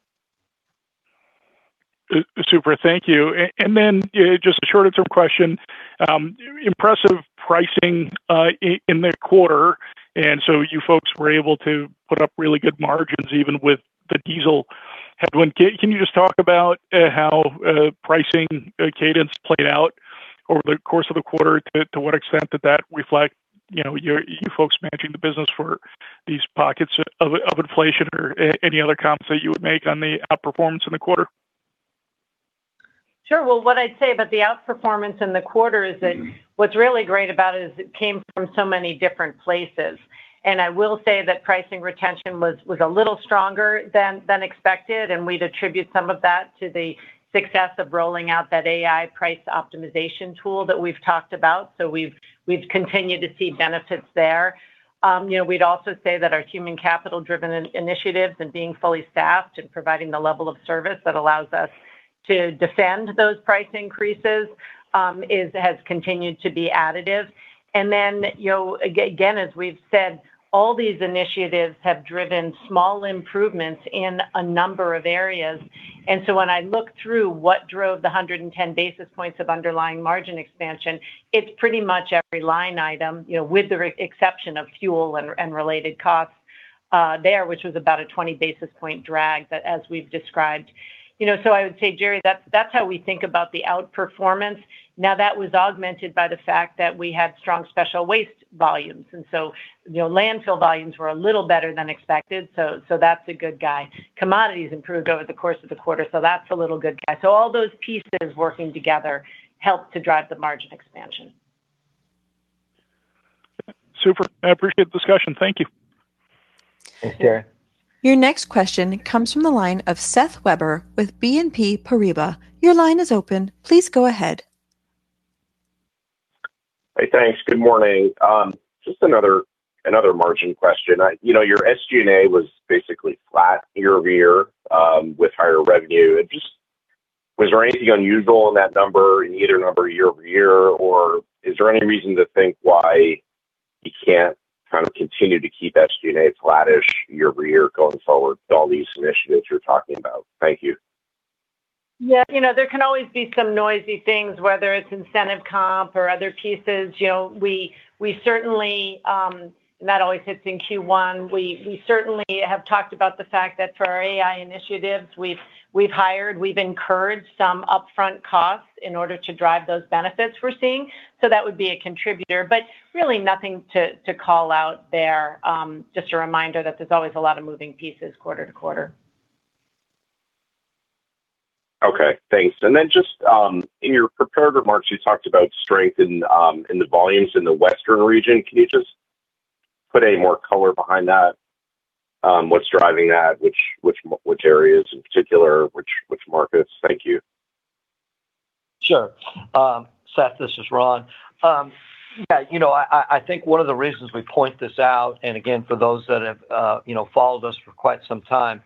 Super. Thank you. Then just a shorter term question. Impressive pricing in the quarter. You folks were able to put up really good margins even with the diesel headwind. Can you just talk about how pricing cadence played out? Over the course of the quarter, to what extent did that reflect you folks managing the business for these pockets of inflation or any other comps that you would make on the outperformance in the quarter? Sure. Well, what I'd say about the outperformance in the quarter is that what's really great about it is it came from so many different places. I will say that pricing retention was a little stronger than expected, and we'd attribute some of that to the success of rolling out that AI price optimization tool that we've talked about. We've continued to see benefits there. We'd also say that our human capital-driven initiatives and being fully staffed and providing the level of service that allows us to defend those price increases has continued to be additive. Then, again, as we've said, all these initiatives have driven small improvements in a number of areas. When I look through what drove the 110 basis points of underlying margin expansion, it's pretty much every line item, with the exception of fuel and related costs there, which was about a 20 basis point drag that as we've described. I would say, Jerry, that's how we think about the outperformance. Now, that was augmented by the fact that we had strong special waste volumes, and so landfill volumes were a little better than expected, so that's a good guy. Commodities improved over the course of the quarter, so that's a little good guy. All those pieces working together helped to drive the margin expansion. Super. I appreciate the discussion. Thank you. Thanks, Jerry. Your next question comes from the line of Seth Weber with BNP Paribas. Your line is open. Please go ahead. Hey, thanks. Good morning. Just another margin question. Your SG&A was basically flat year-over-year with higher revenue. Was there anything unusual in that number, in either number year-over-year, or is there any reason to think why you can't kind of continue to keep SG&A flattish year-over-year going forward with all these initiatives you're talking about? Thank you. Yeah. There can always be some noisy things, whether it's incentive comp or other pieces. That always hits in Q1. We certainly have talked about the fact that for our AI initiatives, we've hired, we've incurred some upfront costs in order to drive those benefits we're seeing. That would be a contributor, but really nothing to call out there. Just a reminder that there's always a lot of moving pieces quarter to quarter. Okay, thanks. Just in your prepared remarks, you talked about strength in the volumes in the Western Region. Can you just put any more color behind that? What's driving that? Which areas in particular? Which markets? Thank you. Sure. Seth, this is Ron. Yeah. I think one of the reasons we point this out, and again, for those that have followed us for quite some time,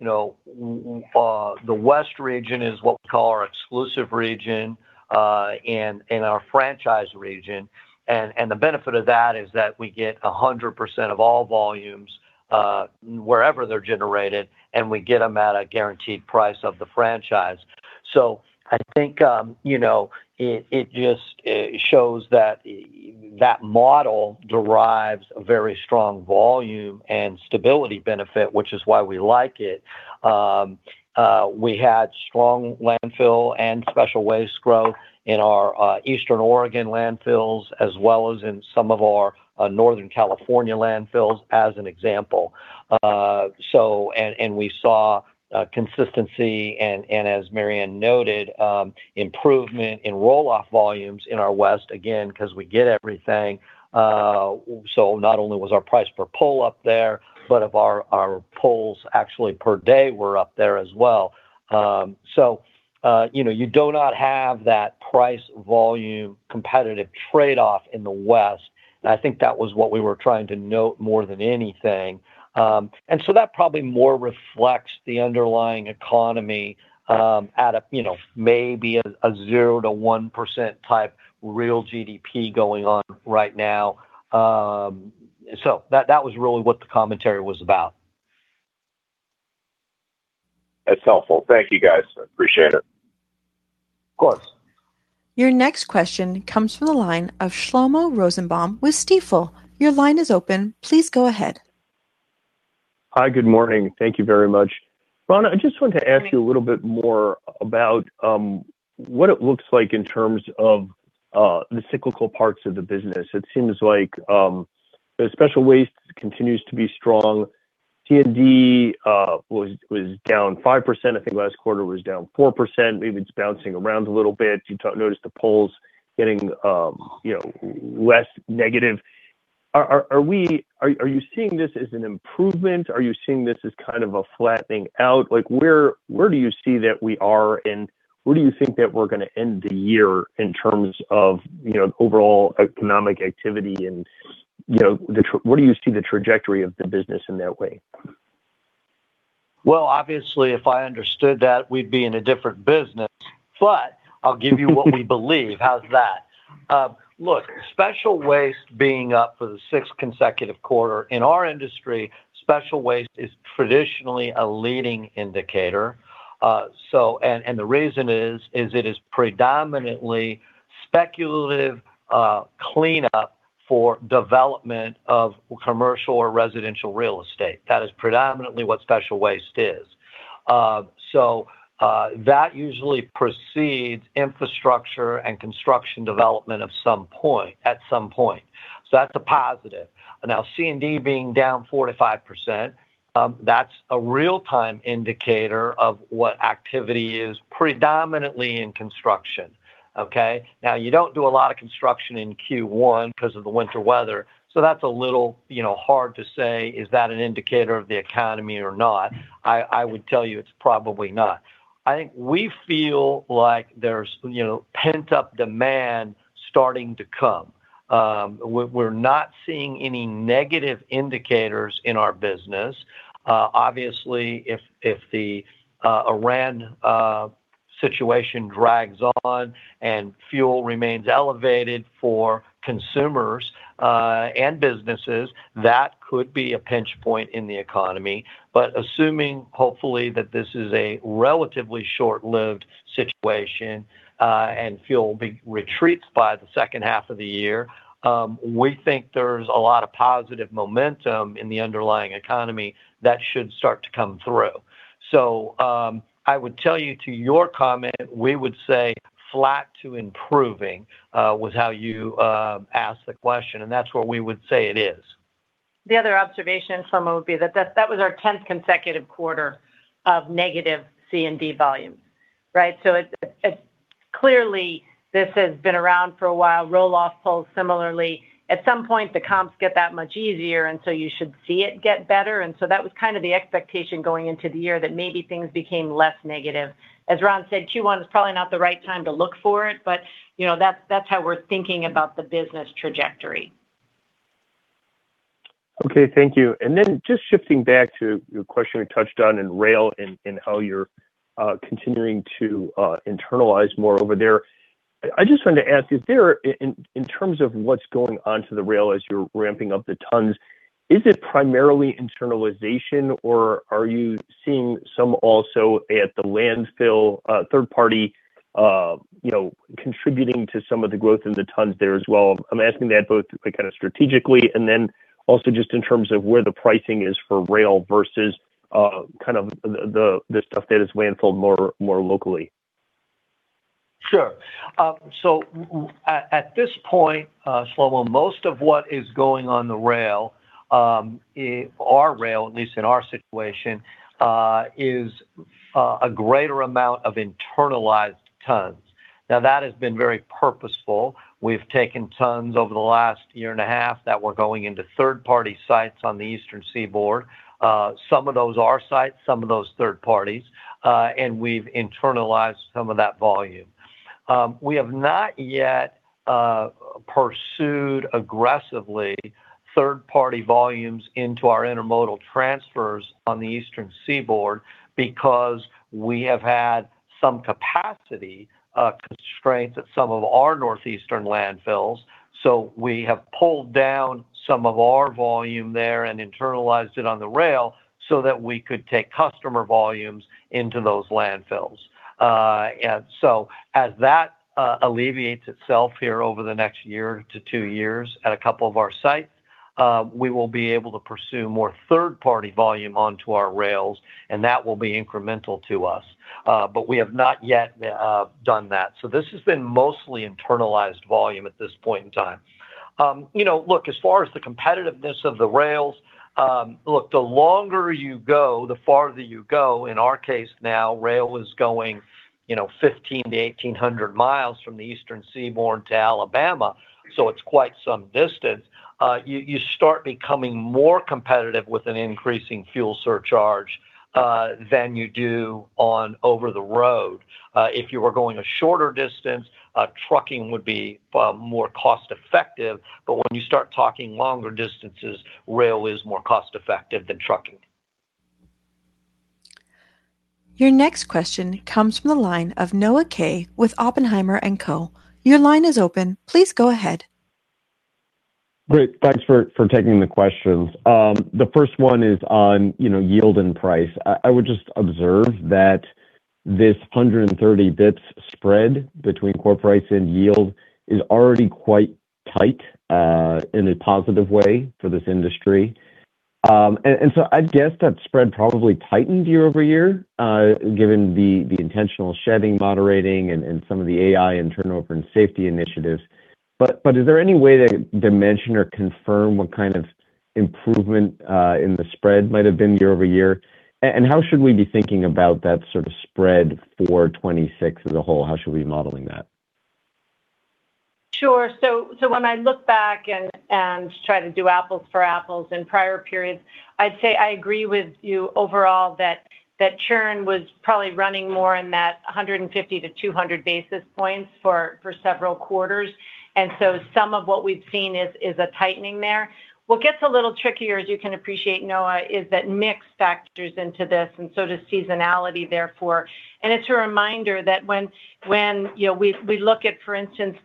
the West region is what we call our exclusive region and our franchise region, and the benefit of that is that we get 100% of all volumes wherever they're generated, and we get them at a guaranteed price of the franchise. So I think it just shows that that model derives a very strong volume and stability benefit, which is why we like it. We had strong landfill and special waste growth in our Eastern Oregon landfills as well as in some of our Northern California landfills, as an example. We saw consistency and, as Mary Anne noted, improvement in roll-off volumes in our West, again, because we get everything. Not only was our price per pull up there, but our pulls actually per day were up there as well. You do not have that price/volume competitive trade-off in the West, and I think that was what we were trying to note more than anything. That probably more reflects the underlying economy at maybe a 0%-1% type real GDP going on right now. That was really what the commentary was about. That's helpful. Thank you, guys. I appreciate it. Of course. Your next question comes from the line of Shlomo Rosenbaum with Stifel. Your line is open. Please go ahead. Hi, good morning. Thank you very much. Ron, I just wanted to ask you a little bit more about what it looks like in terms of the cyclical parts of the business. It seems like the special waste continues to be strong. C&D was down 5%. I think last quarter was down 4%. Maybe it's bouncing around a little bit. You noticed the pulls getting less negative. Are you seeing this as an improvement? Are you seeing this as kind of a flattening out? Where do you see that we are, and where do you think that we're going to end the year in terms of overall economic activity, and where do you see the trajectory of the business in that way? Well, obviously, if I understood that, we'd be in a different business. I'll give you what we believe. How's that? Look, special waste being up for the sixth consecutive quarter. In our industry, special waste is traditionally a leading indicator. The reason is it is predominantly speculative cleanup for development of commercial or residential real estate. That is predominantly what special waste is. That usually precedes infrastructure and construction development at some point. That's a positive. Now, C&D being down 4%-5%, that's a real-time indicator of what activity is predominantly in construction. Okay? Now, you don't do a lot of construction in Q1 because of the winter weather, so that's a little hard to say, is that an indicator of the economy or not? I would tell you it's probably not. I think we feel like there's pent-up demand starting to come. We're not seeing any negative indicators in our business. Obviously, if the Iran situation drags on and fuel remains elevated for consumers and businesses, that could be a pinch point in the economy. Assuming hopefully that this is a relatively short-lived situation, and fuel retreats by the second half of the year, we think there's a lot of positive momentum in the underlying economy that should start to come through. I would tell you to your comment, we would say flat to improving, was how you asked the question, and that's what we would say it is. The other observation, Shlomo, would be that that was our 10th consecutive quarter of negative C&D volume. Right? Clearly this has been around for a while, roll-off pulls similarly. At some point, the comps get that much easier, and so you should see it get better. That was kind of the expectation going into the year, that maybe things became less negative. As Ron said, Q1 is probably not the right time to look for it, but that's how we're thinking about the business trajectory. Okay, thank you. Just shifting back to your question, you touched on in rail and how you're continuing to internalize more over there. I just wanted to ask, is there, in terms of what's going onto the rail as you're ramping up the tons, is it primarily internalization, or are you seeing some also at the landfill, third party contributing to some of the growth in the tons there as well? I'm asking that both kind of strategically and then also just in terms of where the pricing is for rail versus the stuff that is landfill more locally. Sure. At this point, Shlomo, most of what is going on the rail, our rail, at least in our situation, is a greater amount of internalized tons. Now, that has been very purposeful. We've taken tons over the last year and a half that were going into third-party sites on the Eastern Seaboard. Some of those are our sites, some of those, third parties, and we've internalized some of that volume. We have not yet pursued aggressively third-party volumes into our intermodal transfers on the Eastern Seaboard because we have had some capacity constraints at some of our northeastern landfills. We have pulled down some of our volume there and internalized it on the rail so that we could take customer volumes into those landfills. As that alleviates itself here over the next year to two years at a couple of our sites, we will be able to pursue more third-party volume onto our rails, and that will be incremental to us. We have not yet done that. This has been mostly internalized volume at this point in time. Look, as far as the competitiveness of the rails, look, the longer you go, the farther you go. In our case now, rail is going 1,500 mi-1,800 mi from the Eastern Seaboard to Alabama, so it's quite some distance. You start becoming more competitive with an increasing fuel surcharge, than you do on over the road. If you were going a shorter distance, trucking would be more cost effective. When you start talking longer distances, rail is more cost effective than trucking. Your next question comes from the line of Noah Kaye with Oppenheimer & Co. Your line is open. Please go ahead. Great. Thanks for taking the questions. The first one is on yield and price. I would just observe that this 130 basis points spread between core price and yield is already quite tight in a positive way for this industry. I'd guess that spread probably tightened year-over-year, given the intentional shedding moderating and some of the AI and turnover and safety initiatives. Is there any way to dimension or confirm what kind of improvement in the spread might have been year-over-year? How should we be thinking about that sort of spread for 2026 as a whole? How should we be modeling that? Sure. When I look back and try to do apples for apples in prior periods, I'd say I agree with you overall that churn was probably running more in that 150-200 basis points for several quarters, and some of what we've seen is a tightening there. What gets a little trickier, as you can appreciate, Noah, is that mix factors into this and so does seasonality, therefore. It's a reminder that when we look at, for instance,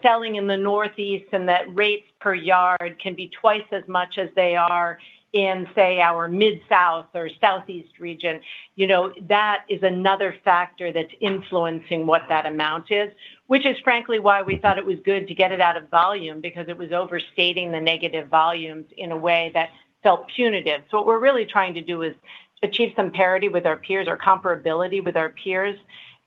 selling in the Northeast and that rates per yard can be twice as much as they are in, say, our Mid-South or Southeast region, that is another factor that's influencing what that amount is. Which is frankly why we thought it was good to get it out of volume because it was overstating the negative volumes in a way that felt punitive. What we're really trying to do is achieve some parity with our peers or comparability with our peers,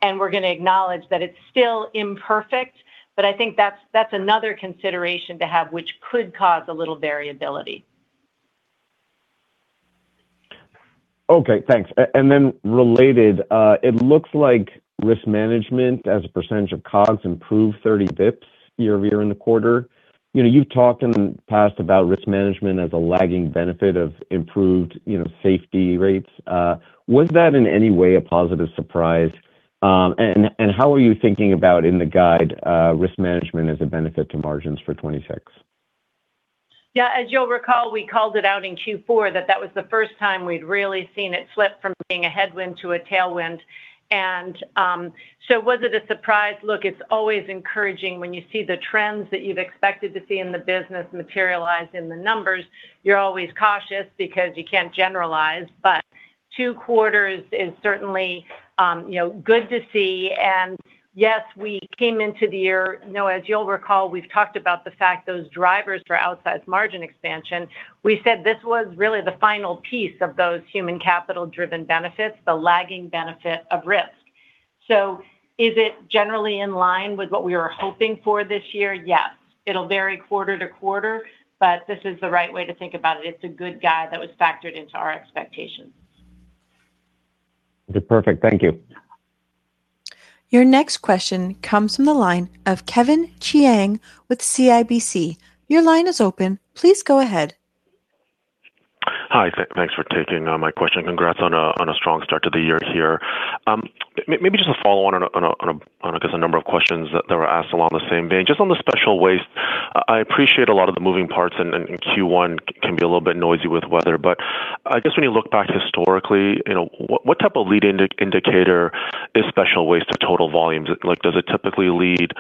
and we're going to acknowledge that it's still imperfect. I think that's another consideration to have, which could cause a little variability. Okay, thanks. Related, it looks like risk management as a percentage of COGS improved 30 basis points year-over-year in the quarter. You've talked in the past about risk management as a lagging benefit of improved safety rates. Was that in any way a positive surprise? How are you thinking about in the guide risk management as a benefit to margins for 2026? Yeah. As you'll recall, we called it out in Q4 that that was the first time we'd really seen it flip from being a headwind to a tailwind. Was it a surprise? Look, it's always encouraging when you see the trends that you've expected to see in the business materialize in the numbers. You're always cautious because you can't generalize, but two quarters is certainly good to see. Yes, we came into the year, as you'll recall, we've talked about the fact those drivers for outsized margin expansion, we said this was really the final piece of those human capital-driven benefits, the lagging benefit of risk. Is it generally in line with what we were hoping for this year? Yes. It'll vary quarter to quarter, but this is the right way to think about it. It's a good guide that was factored into our expectations. Perfect. Thank you. Your next question comes from the line of Kevin Chiang with CIBC. Your line is open. Please go ahead. Hi. Thanks for taking my question. Congrats on a strong start to the year here. Maybe just a follow-on, on I guess, a number of questions that were asked along the same vein. Just on the special waste, I appreciate a lot of the moving parts and Q1 can be a little bit noisy with weather, but I guess when you look back historically, what type of lead indicator is special waste to total volumes? Does it typically lead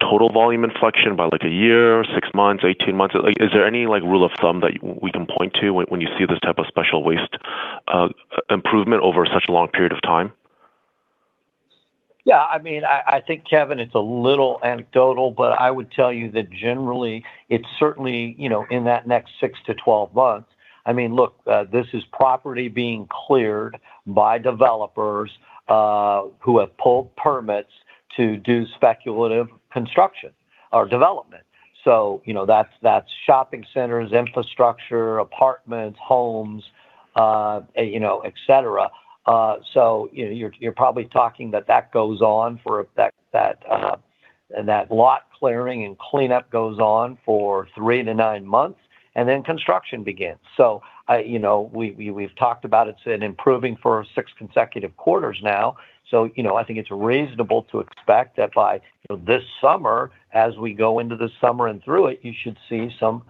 total volume inflection by like a year, six months, 18 months? Is there any rule of thumb that we can point to when you see this type of special waste improvement over such a long period of time? Yeah, I think, Kevin, it's a little anecdotal, but I would tell you that generally it's certainly in that next six to 12 months. Look, this is property being cleared by developers who have pulled permits to do speculative construction or development. That's shopping centers, infrastructure, apartments, homes, et cetera. You're probably talking that goes on for and that lot clearing and cleanup goes on for three to nine months, and then construction begins. We've talked about it's been improving for 6 consecutive quarters now, so, I think it's reasonable to expect that by this summer, as we go into the summer and through it, you should see some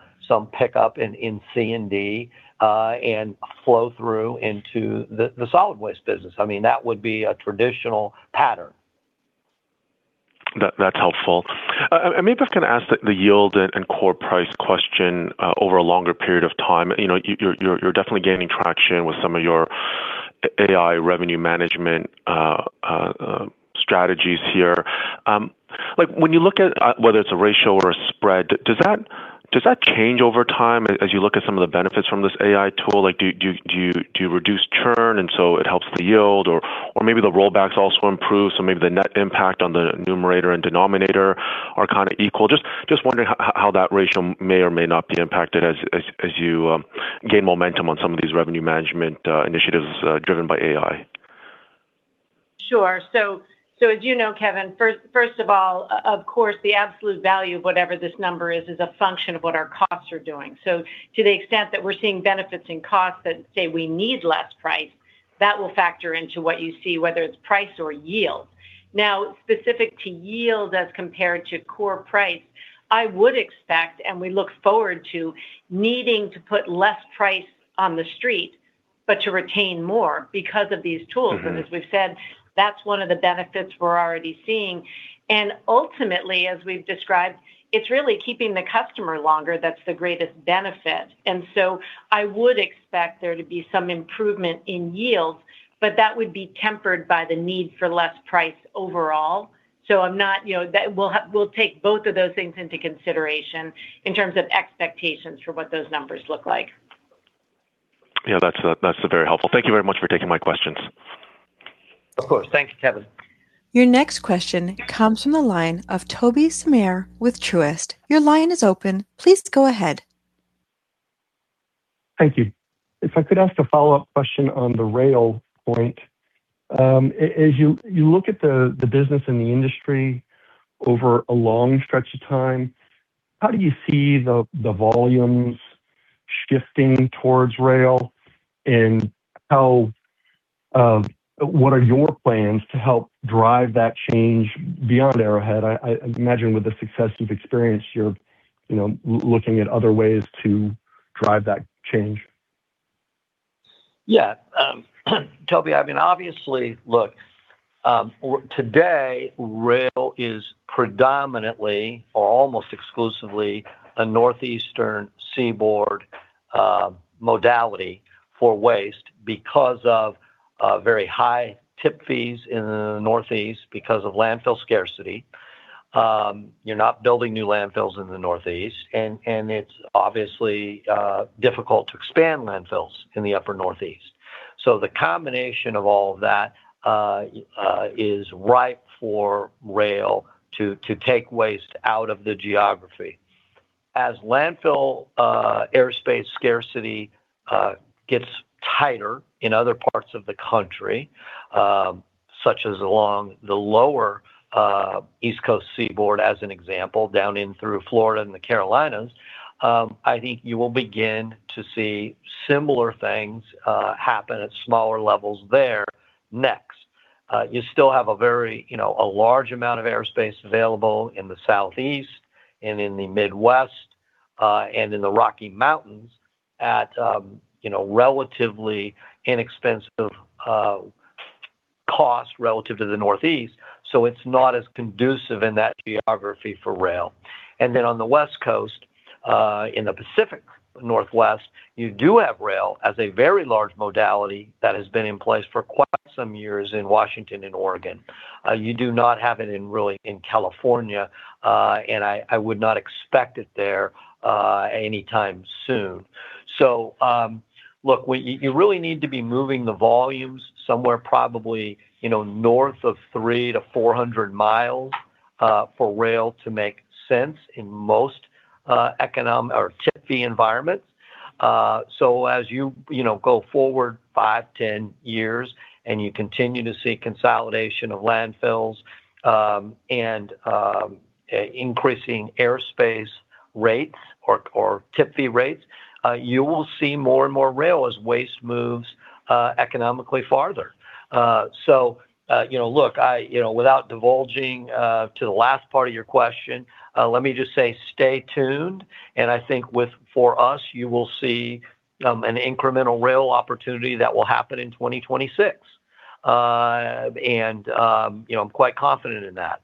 pickup in C&D, and flow through into the solid waste business. That would be a traditional pattern. That's helpful. Maybe if I can ask the yield and core price question over a longer period of time. You're definitely gaining traction with some of your AI revenue management strategies here. When you look at whether it's a ratio or a spread, does that change over time as you look at some of the benefits from this AI tool? Do you reduce churn and so it helps the yield or maybe the roll-off pulls also improve, so maybe the net impact on the numerator and denominator are kind of equal? Just wondering how that ratio may or may not be impacted as you gain momentum on some of these revenue management initiatives driven by AI. Sure. As you know, Kevin, first of all, of course, the absolute value of whatever this number is a function of what our costs are doing. To the extent that we're seeing benefits in costs that say we need less price, that will factor into what you see, whether it's price or yield. Now, specific to yield as compared to core price, I would expect, and we look forward to needing to put less price on the street, but to retain more because of these tools. Mm-hmm. As we've said, that's one of the benefits we're already seeing. Ultimately, as we've described, it's really keeping the customer longer that's the greatest benefit. I would expect there to be some improvement in yields, but that would be tempered by the need for less price overall. We'll take both of those things into consideration in terms of expectations for what those numbers look like. Yeah. That's very helpful. Thank you very much for taking my questions. Of course. Thank you, Kevin. Your next question comes from the line of Tobey Sommer with Truist. Your line is open. Please go ahead. Thank you. If I could ask a follow-up question on the rail point. As you look at the business and the industry over a long stretch of time, how do you see the volumes shifting towards rail, and what are your plans to help drive that change beyond Arrowhead? I imagine with the success you've experienced, you're looking at other ways to drive that change. Yeah. Tobey, obviously, look, today, rail is predominantly or almost exclusively a northeastern seaboard modality for waste because of very high tip fees in the Northeast because of landfill scarcity. You're not building new landfills in the Northeast. It's obviously difficult to expand landfills in the upper Northeast. The combination of all of that is ripe for rail to take waste out of the geography. As landfill airspace scarcity gets tighter in other parts of the country, such as along the lower East Coast seaboard, as an example, down in through Florida and the Carolinas, I think you will begin to see similar things happen at smaller levels there next. You still have a large amount of airspace available in the Southeast and in the Midwest, and in the Rocky Mountains at relatively inexpensive cost relative to the Northeast, so it's not as conducive in that geography for rail. Then on the West Coast, in the Pacific Northwest, you do have rail as a very large modality that has been in place for quite some years in Washington and Oregon. You do not have it really in California, and I would not expect it there anytime soon. Look, you really need to be moving the volumes somewhere probably north of 300 mi-400 mi for rail to make sense in most tipping fee environments. As you go forward five to 10 years and you continue to see consolidation of landfills, and increasing airspace rates or tipping fee rates, you will see more and more rail as waste moves economically farther. Look, without divulging to the last part of your question, let me just say stay tuned, and I think for us, you will see an incremental rail opportunity that will happen in 2026. I'm quite confident in that.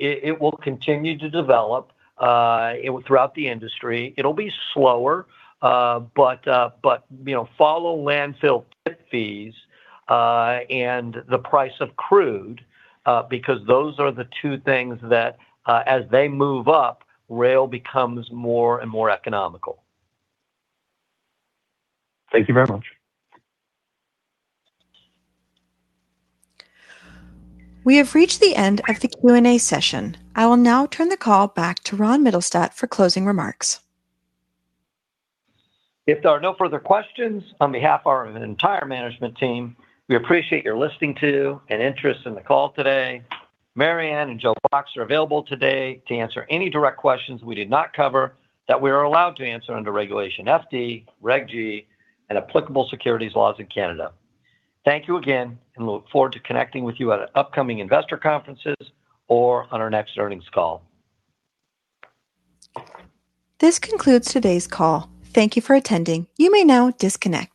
It will continue to develop throughout the industry. It'll be slower, but follow landfill tipping fees and the price of crude, because those are the two things that as they move up, rail becomes more and more economical. Thank you very much. We have reached the end of the Q&A session. I will now turn the call back to Ronald Mittelstaedt for closing remarks. If there are no further questions, on behalf of our entire management team, we appreciate your listening to and interest in the call today. Mary Anne and Joe Box are available today to answer any direct questions we did not cover that we are allowed to answer under Regulation FD, Regulation G, and applicable securities laws in Canada. Thank you again, and we look forward to connecting with you at upcoming investor conferences or on our next earnings call. This concludes today's call. Thank you for attending. You may now disconnect.